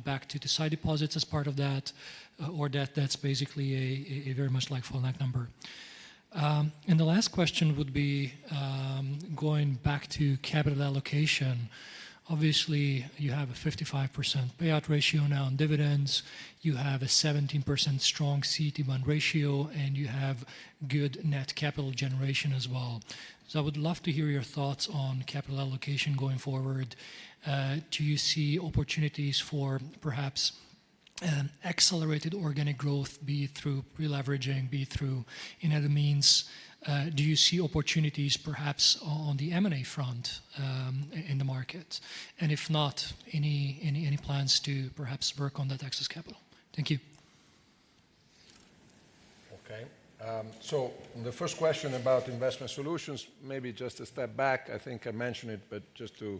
back to sight deposits as part of that, or that that's basically a very much like full whack number? The last question would be going back to capital allocation. Obviously, you have a 55% payout ratio now on dividends. You have a 17% strong CET1 ratio, and you have good net capital generation as well. So I would love to hear your thoughts on capital allocation going forward. Do you see opportunities for perhaps accelerated organic growth, be it through pre-leveraging, be it through in other means? Do you see opportunities perhaps on the M&A front in the market? And if not, any plans to perhaps work on that excess capital? Thank you. Okay. So the first question about investment solutions, maybe just a step back. I think I mentioned it, but just to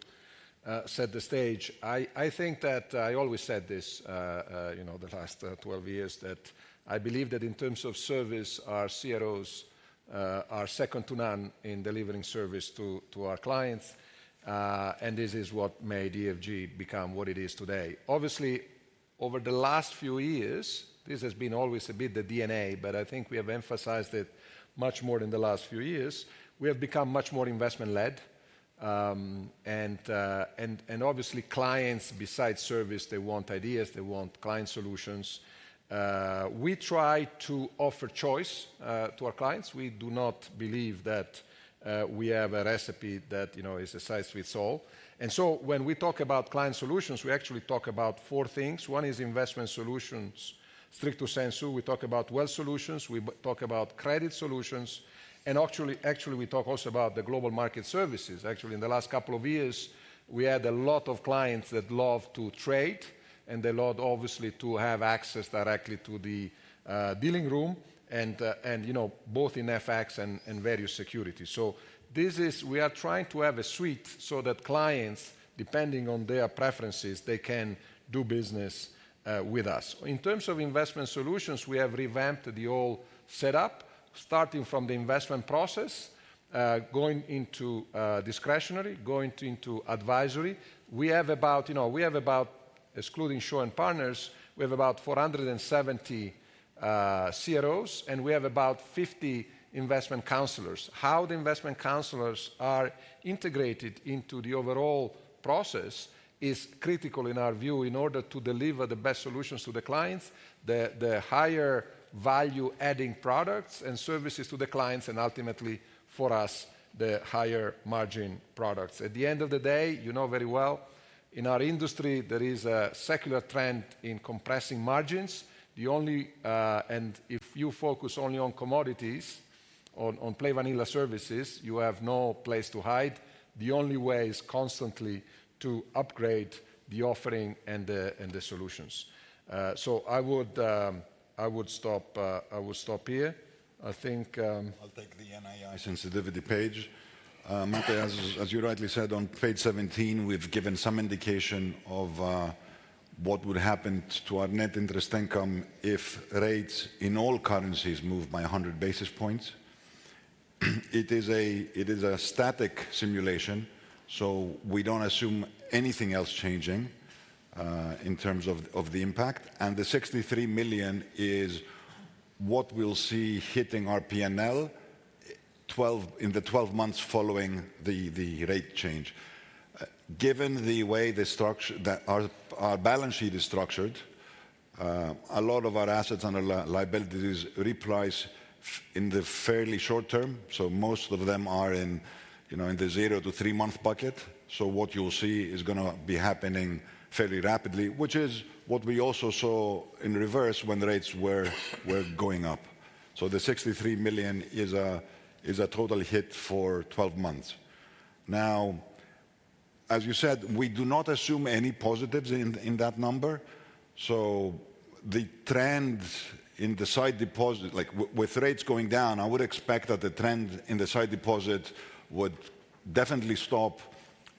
set the stage. I think that I always said this the last 12 years, that I believe that in terms of service, our CROs are second to none in delivering service to our clients. And this is what made EFG become what it is today. Obviously, over the last few years, this has been always a bit the DNA, but I think we have emphasized it much more than the last few years. We have become much more investment-led. And obviously, clients, besides service, they want ideas. They want client solutions. We try to offer choice to our clients. We do not believe that we have a recipe that is a size fits all. And so when we talk about client solutions, we actually talk about four things. One is investment solutions, stricto sensu. We talk about wealth solutions. We talk about credit solutions. And actually, we talk also about the global market services. Actually, in the last couple of years, we had a lot of clients that love to trade, and they love obviously to have access directly to the dealing room, both in FX and various securities. So we are trying to have a suite so that clients, depending on their preferences, they can do business with us. In terms of investment solutions, we have revamped the old setup, starting from the investment process, going into discretionary, going into advisory. We have about, excluding Shaw and Partners, we have about 470 CROs, and we have about 50 investment counselors. How the investment counselors are integrated into the overall process is critical in our view in order to deliver the best solutions to the clients, the higher value-adding products and services to the clients, and ultimately, for us, the higher margin products. At the end of the day, you know very well, in our industry, there is a secular trend in compressing margins. And if you focus only on commodities, on plain-vanilla services, you have no place to hide. The only way is constantly to upgrade the offering and the solutions. So I would stop here. I think. I'll take the NII sensitivity page. Mate, as you rightly said, on page 17, we've given some indication of what would happen to our net interest income if rates in all currencies move by 100 basis points. It is a static simulation, so we don't assume anything else changing in terms of the impact. The 63 million is what we'll see hitting our P&L in the 12 months following the rate change. Given the way our balance sheet is structured, a lot of our assets and our liabilities reprice in the fairly short term. Most of them are in the zero to three-month bucket. What you'll see is going to be happening fairly rapidly, which is what we also saw in reverse when rates were going up. The 63 million is a total hit for 12 months. Now, as you said, we do not assume any positives in that number. So the trend in the sight deposit, with rates going down, I would expect that the trend in the sight deposit would definitely stop,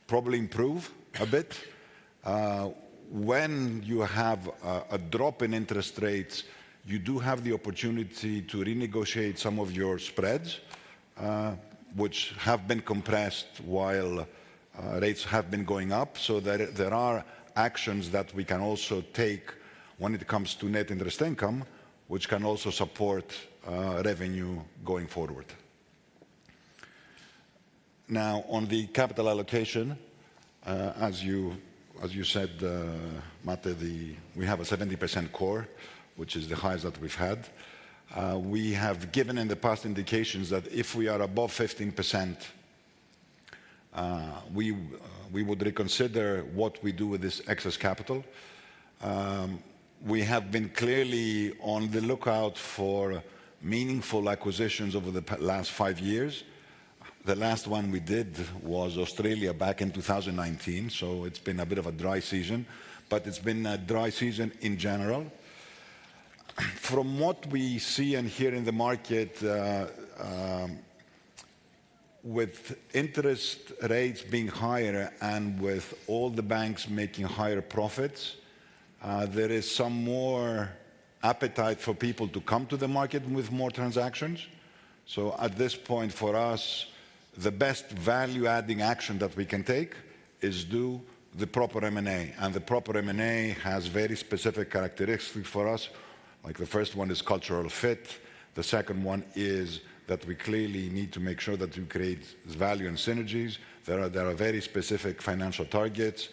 probably improve a bit. When you have a drop in interest rates, you do have the opportunity to renegotiate some of your spreads, which have been compressed while rates have been going up. So there are actions that we can also take when it comes to net interest income, which can also support revenue going forward. Now, on the capital allocation, as you said, Mate, we have a 70% core, which is the highest that we've had. We have given in the past indications that if we are above 15%, we would reconsider what we do with this excess capital. We have been clearly on the lookout for meaningful acquisitions over the last five years. The last one we did was Australia back in 2019. So it's been a bit of a dry season, but it's been a dry season in general. From what we see and hear in the market, with interest rates being higher and with all the banks making higher profits, there is some more appetite for people to come to the market with more transactions. So at this point, for us, the best value-adding action that we can take is do the proper M&A. And the proper M&A has very specific characteristics for us. The first one is cultural fit. The second one is that we clearly need to make sure that we create value and synergies. There are very specific financial targets.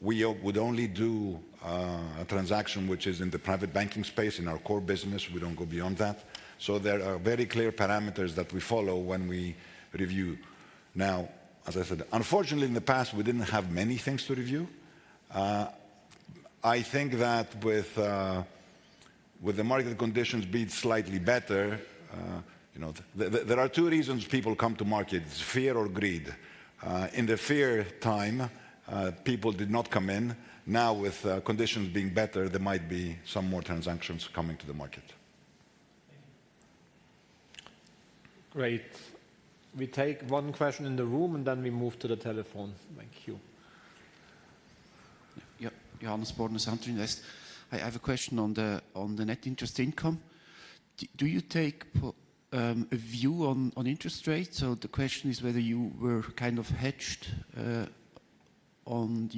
We would only do a transaction which is in the private banking space, in our core business. We don't go beyond that. So there are very clear parameters that we follow when we review. Now, as I said, unfortunately, in the past, we didn't have many things to review. I think that with the market conditions being slightly better, there are two reasons people come to market: fear or greed. In the fear time, people did not come in. Now, with conditions being better, there might be some more transactions coming to the market. Great. We take one question in the room, and then we move to the telephone. Thank you. Yep. I have a question on the net interest income. Do you take a view on interest rates? So the question is whether you were kind of hedged on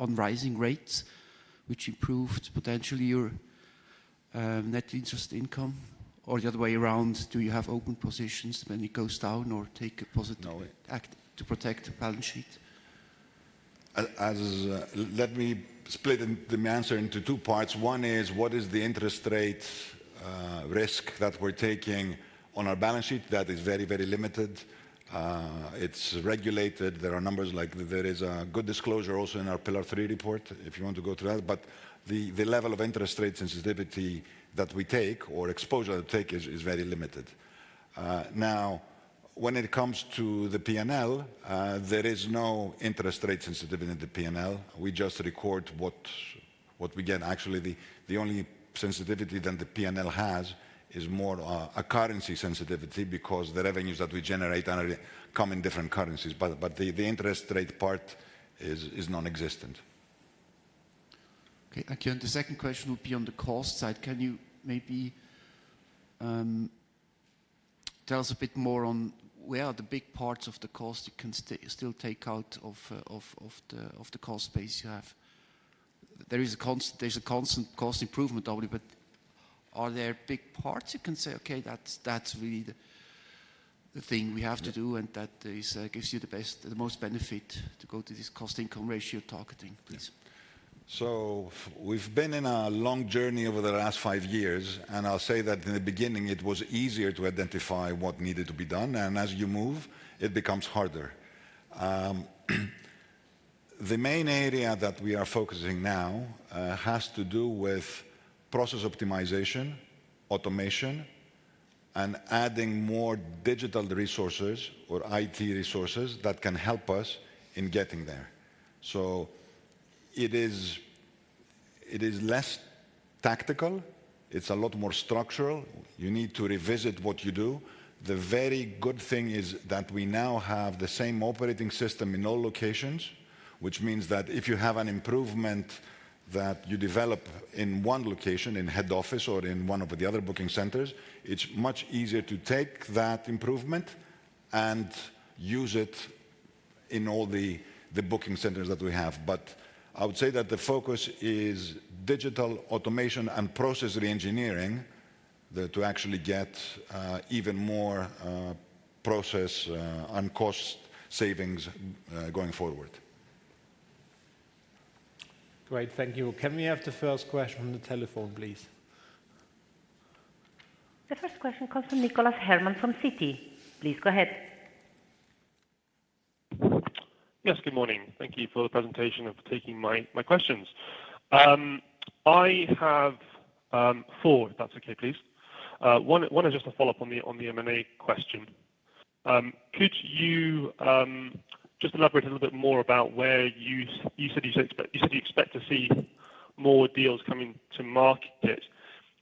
rising rates, which improved potentially your net interest income, or the other way around, do you have open positions when it goes down or take a positive act to protect the balance sheet? Let me split the answer into two parts. One is, what is the interest rate risk that we're taking on our balance sheet that is very, very limited? It's regulated. There are numbers like there is a good disclosure also in our Pillar 3 report, if you want to go through that. But the level of interest rate sensitivity that we take or exposure that we take is very limited. Now, when it comes to the P&L, there is no interest rate sensitivity in the P&L. We just record what we get. Actually, the only sensitivity that the P&L has is more a currency sensitivity because the revenues that we generate come in different currencies. But the interest rate part is nonexistent. Okay. Again, the second question will be on the cost side. Can you maybe tell us a bit more on where are the big parts of the cost you can still take out of the cost space you have? There is a constant cost improvement, obviously, but are there big parts you can say, "Okay, that's really the thing we have to do, and that gives you the most benefit to go to this cost-income ratio targeting"? Please. We've been in a long journey over the last five years. I'll say that in the beginning, it was easier to identify what needed to be done. As you move, it becomes harder. The main area that we are focusing now has to do with process optimization, automation, and adding more digital resources or IT resources that can help us in getting there. It is less tactical. It's a lot more structural. You need to revisit what you do. The very good thing is that we now have the same operating system in all locations, which means that if you have an improvement that you develop in one location, in head office or in one of the other booking centers, it's much easier to take that improvement and use it in all the booking centers that we have. I would say that the focus is digital automation and process re-engineering to actually get even more process and cost savings going forward. Great. Thank you. Can we have the first question from the telephone, please? The first question comes from Nicholas Herman from Citi. Please go ahead. Yes. Good morning. Thank you for the presentation and for taking my questions. I have four, if that's okay, please. One is just a follow-up on the M&A question. Could you just elaborate a little bit more about where you said you expect to see more deals coming to market?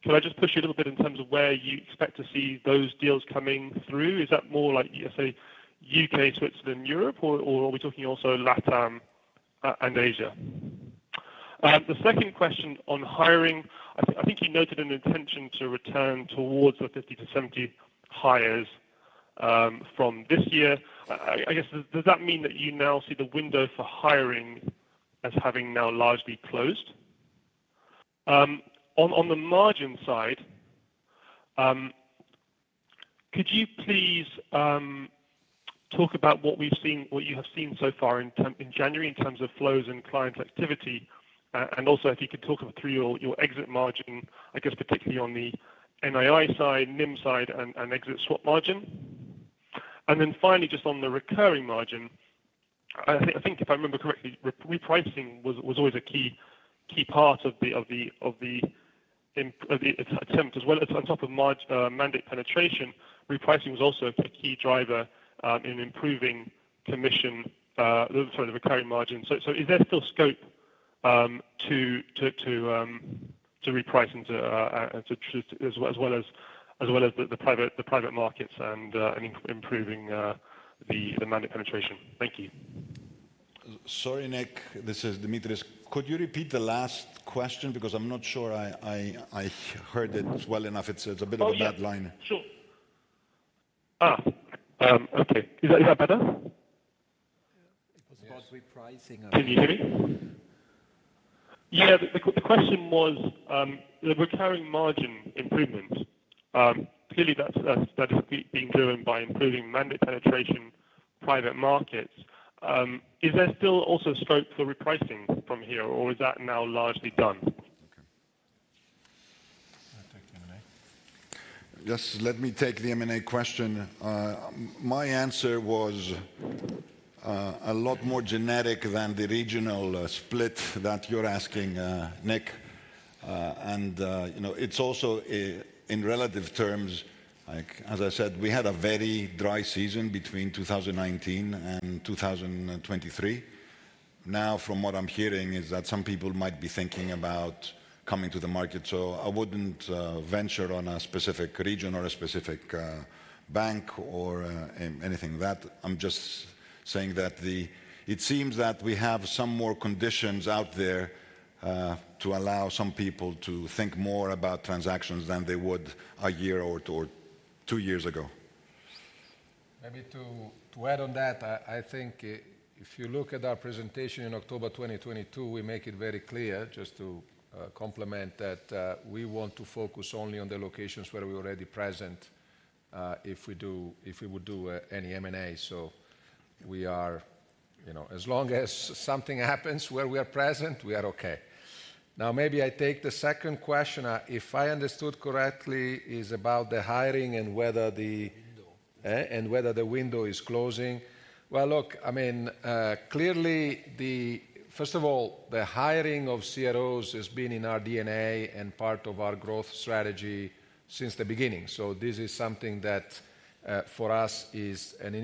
Can I just push you a little bit in terms of where you expect to see those deals coming through? Is that more like, say, U.K., Switzerland, Europe, or are we talking also Latin and Asia? The second question on hiring, I think you noted an intention to return towards the 50-70 hires from this year. I guess, does that mean that you now see the window for hiring as having now largely closed? On the margin side, could you please talk about what you have seen so far in January in terms of flows and client activity? And also, if you could talk through your exit margin, I guess, particularly on the NII side, NIM side, and exit swap margin. And then finally, just on the recurring margin, I think, if I remember correctly, repricing was always a key part of the attempt as well. On top of mandate penetration, repricing was also a key driver in improving commission, sorry, the recurring margin. So is there still scope to reprice as well as the private markets and improving the mandate penetration? Thank you. Sorry, Nick. This is Dimitris. Could you repeat the last question? Because I'm not sure I heard it well enough. It's a bit of a dead line. Oh, yeah. Sure. Okay. Is that better? It was about repricing. Can you hear me? Yeah. The question was the recurring margin improvement. Clearly, that is being driven by improving mandate penetration, private markets. Is there still also scope for repricing from here, or is that now largely done? Okay. I'll take the M&A. Just let me take the M&A question. My answer was a lot more generic than the regional split that you're asking, Nick. And it's also, in relative terms, as I said, we had a very dry season between 2019 and 2023. Now, from what I'm hearing is that some people might be thinking about coming to the market. So I wouldn't venture on a specific region or a specific bank or anything like that. I'm just saying that it seems that we have some more conditions out there to allow some people to think more about transactions than they would a year or two years ago. Maybe to add on that, I think if you look at our presentation in October 2022, we make it very clear, just to complement that, we want to focus only on the locations where we're already present if we would do any M&A. So as long as something happens where we are present, we are okay. Now, maybe I take the second question. If I understood correctly, it's about the hiring and whether the window is closing. Well, look, I mean, clearly, first of all, the hiring of CROs has been in our DNA and part of our growth strategy since the beginning. So this is something that, for us, is an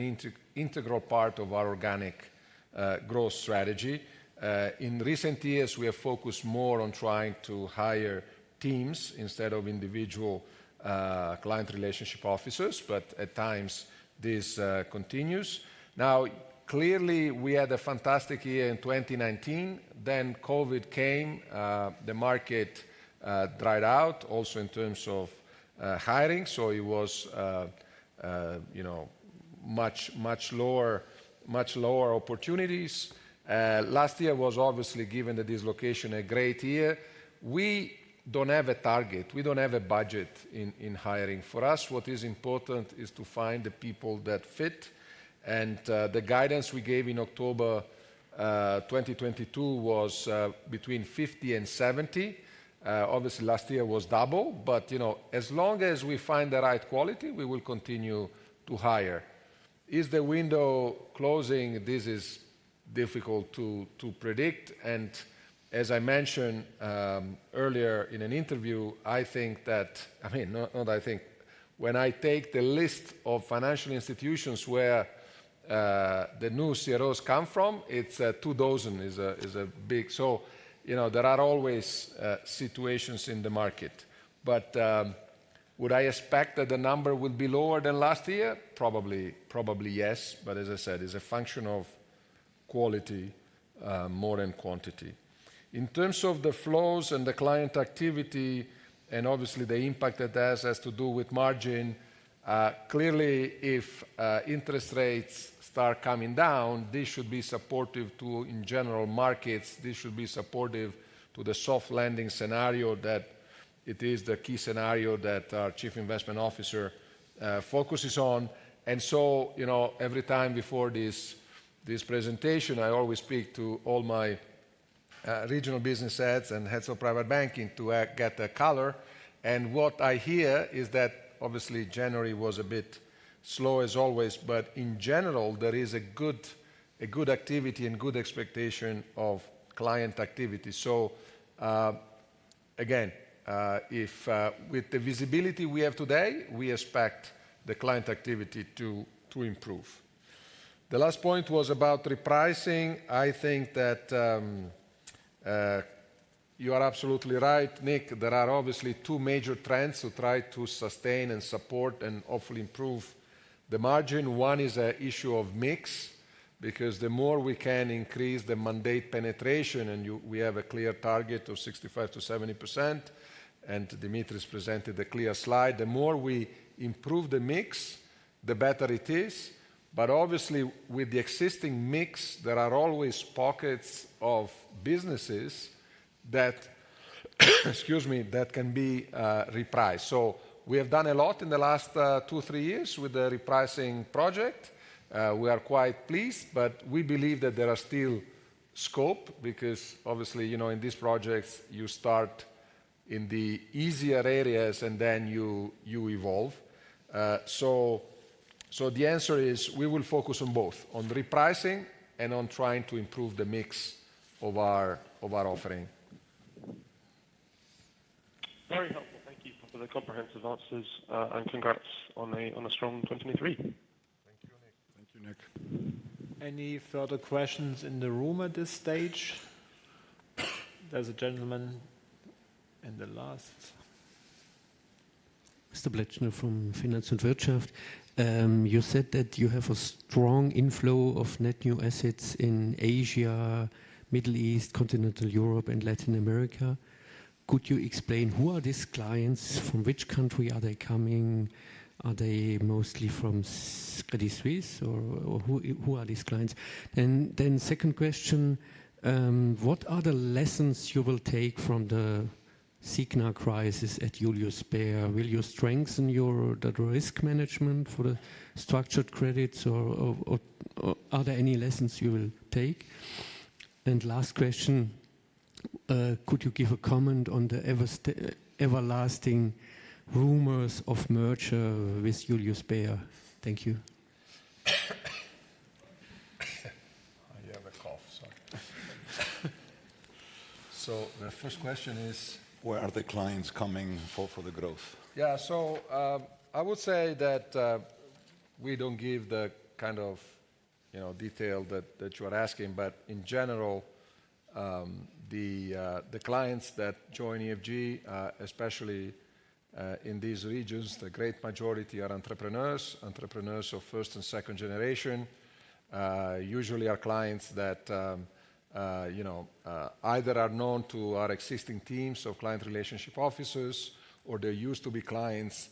integral part of our organic growth strategy. In recent years, we have focused more on trying to hire teams instead of individual client relationship officers. But at times, this continues. Now, clearly, we had a fantastic year in 2019. Then COVID came. The market dried out also in terms of hiring. So it was much lower opportunities. Last year was, obviously, given the dislocation, a great year. We don't have a target. We don't have a budget in hiring. For us, what is important is to find the people that fit. And the guidance we gave in October 2022 was between 50 and 70. Obviously, last year was double. But as long as we find the right quality, we will continue to hire. Is the window closing? This is difficult to predict. And as I mentioned earlier in an interview, I think that I mean, not I think. When I take the list of financial institutions where the new CROs come from, 2,000 is a big. So there are always situations in the market. But would I expect that the number would be lower than last year? Probably, yes. But as I said, it's a function of quality, more than quantity. In terms of the flows and the client activity and, obviously, the impact that that has to do with margin, clearly, if interest rates start coming down, this should be supportive to, in general, markets. This should be supportive to the soft landing scenario that it is the key scenario that our Chief Investment Officer focuses on. And so every time before this presentation, I always speak to all my regional business heads and heads of private banking to get the color. And what I hear is that, obviously, January was a bit slow, as always. But in general, there is a good activity and good expectation of client activity. So again, with the visibility we have today, we expect the client activity to improve. The last point was about repricing. I think that you are absolutely right, Nick. There are, obviously, two major trends to try to sustain and support and hopefully improve the margin. One is an issue of mix because the more we can increase the mandate penetration, and we have a clear target of 65%-70%, and Dimitrios presented a clear slide, the more we improve the mix, the better it is. But obviously, with the existing mix, there are always pockets of businesses that can be repriced. So we have done a lot in the last 2-3 years with the repricing project. We are quite pleased. But we believe that there is still scope because, obviously, in these projects, you start in the easier areas, and then you evolve. The answer is we will focus on both, on repricing and on trying to improve the mix of our offering. Very helpful. Thank you for the comprehensive answers. Congrats on a strong 2023. Thank you, Nick. Thank you, Nick. Any further questions in the room at this stage? There's a gentleman in the last. Mr. Blechner from Finanz und Wirtschaft. You said that you have a strong inflow of net new assets in Asia, Middle East, Continental Europe, and Latin America. Could you explain who are these clients? From which country are they coming? Are they mostly from Credit Suisse? Or who are these clients? And then second question, what are the lessons you will take from the Signa crisis at Julius Baer? Will you strengthen the risk management for the structured credits? Or are there any lessons you will take? And last question, could you give a comment on the everlasting rumors of merger with Julius Baer? Thank you. I have a cough, sorry. The first question is. Where are the clients coming for the growth? Yeah. So I would say that we don't give the kind of detail that you are asking. But in general, the clients that join EFG, especially in these regions, the great majority are entrepreneurs, entrepreneurs of first and second generation. Usually, our clients that either are known to our existing teams of client relationship officers or they used to be clients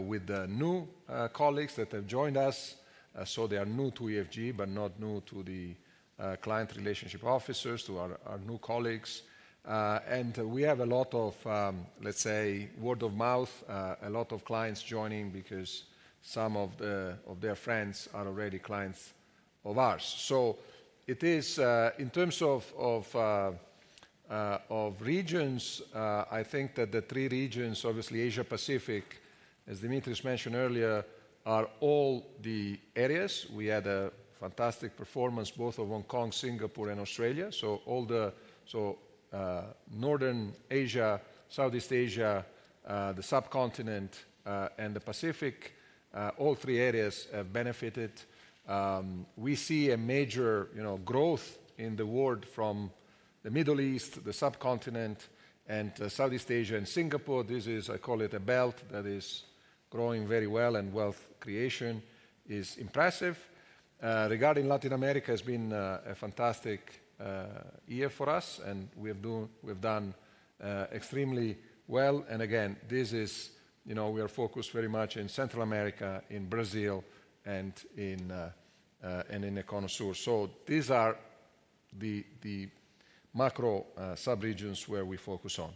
with the new colleagues that have joined us. So they are new to EFG but not new to the client relationship officers, to our new colleagues. And we have a lot of, let's say, word of mouth, a lot of clients joining because some of their friends are already clients of ours. So in terms of regions, I think that the three regions, obviously, Asia-Pacific, as Dimitrios mentioned earlier, are all the areas. We had a fantastic performance both of Hong Kong, Singapore, and Australia. So northern Asia, Southeast Asia, the subcontinent, and the Pacific, all three areas have benefited. We see a major growth in the world from the Middle East, the subcontinent, and Southeast Asia, and Singapore. I call it a belt that is growing very well. And wealth creation is impressive. Regarding Latin America, it has been a fantastic year for us. And we have done extremely well. And again, we are focused very much in Central America, in Brazil, and in Cono Sur. So these are the macro subregions where we focus on.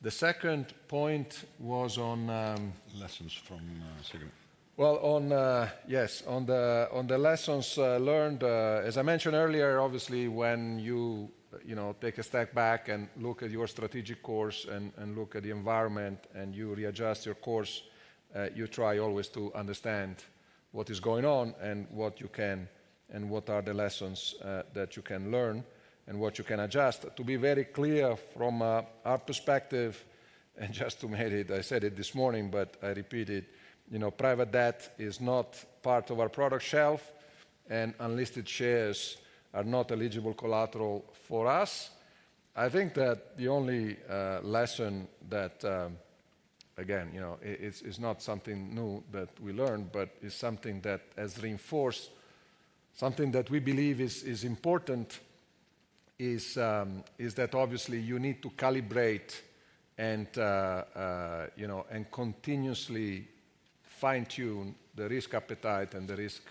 The second point was on. Lessons from Signa? Well, yes, on the lessons learned. As I mentioned earlier, obviously, when you take a step back and look at your strategic course and look at the environment and you readjust your course, you try always to understand what is going on and what you can and what are the lessons that you can learn and what you can adjust. To be very clear from our perspective, and just to make it I said it this morning, but I repeat it, private debt is not part of our product shelf. And unlisted shares are not eligible collateral for us. I think that the only lesson that, again, it's not something new that we learned but is something that has reinforced something that we believe is important is that, obviously, you need to calibrate and continuously fine-tune the risk appetite and the risk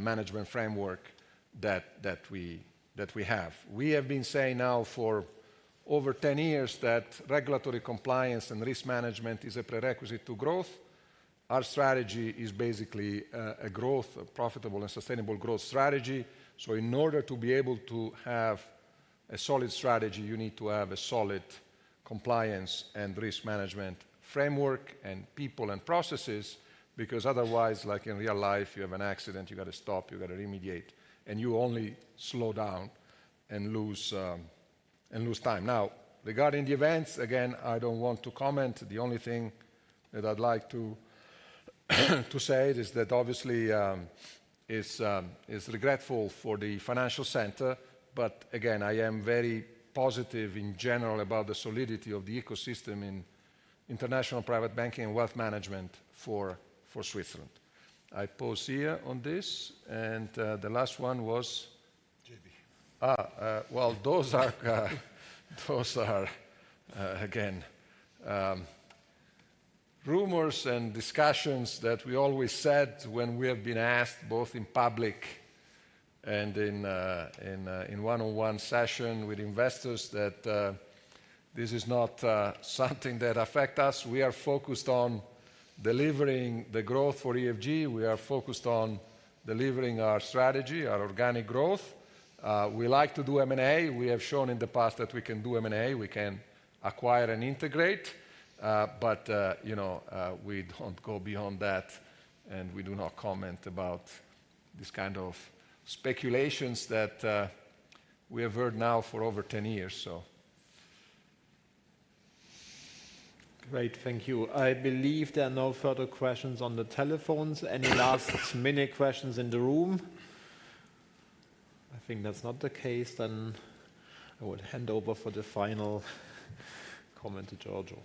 management framework that we have. We have been saying now for over 10 years that regulatory compliance and risk management is a prerequisite to growth. Our strategy is basically a profitable and sustainable growth strategy. So in order to be able to have a solid strategy, you need to have a solid compliance and risk management framework and people and processes because otherwise, like in real life, you have an accident. You got to stop. You got to remediate. And you only slow down and lose time. Now, regarding the events, again, I don't want to comment. The only thing that I'd like to say is that, obviously, it's regretful for the financial center. But again, I am very positive, in general, about the solidity of the ecosystem in international private banking and wealth management for Switzerland. I pause here on this. And the last one was. JB. Well, again, rumors and discussions that we always said when we have been asked, both in public and in one-on-one sessions with investors, that this is not something that affects us. We are focused on delivering the growth for EFG. We are focused on delivering our strategy, our organic growth. We like to do M&A. We have shown in the past that we can do M&A. We can acquire and integrate. But we don't go beyond that. And we do not comment about this kind of speculations that we have heard now for over 10 years, so. Great. Thank you. I believe there are no further questions on the telephones. Any last mini questions in the room? I think that's not the case. Then I will hand over for the final comment to Giorgio.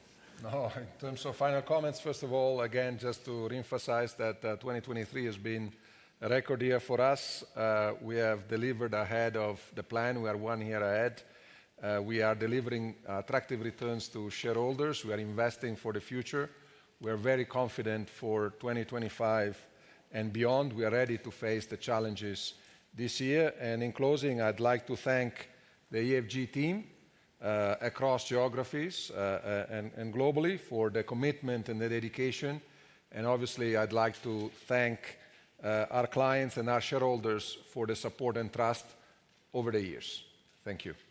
No. In terms of final comments, first of all, again, just to reemphasize that 2023 has been a record year for us. We have delivered ahead of the plan. We are one year ahead. We are delivering attractive returns to shareholders. We are investing for the future. We are very confident for 2025 and beyond. We are ready to face the challenges this year. And in closing, I'd like to thank the EFG team across geographies and globally for the commitment and the dedication. And obviously, I'd like to thank our clients and our shareholders for the support and trust over the years. Thank you.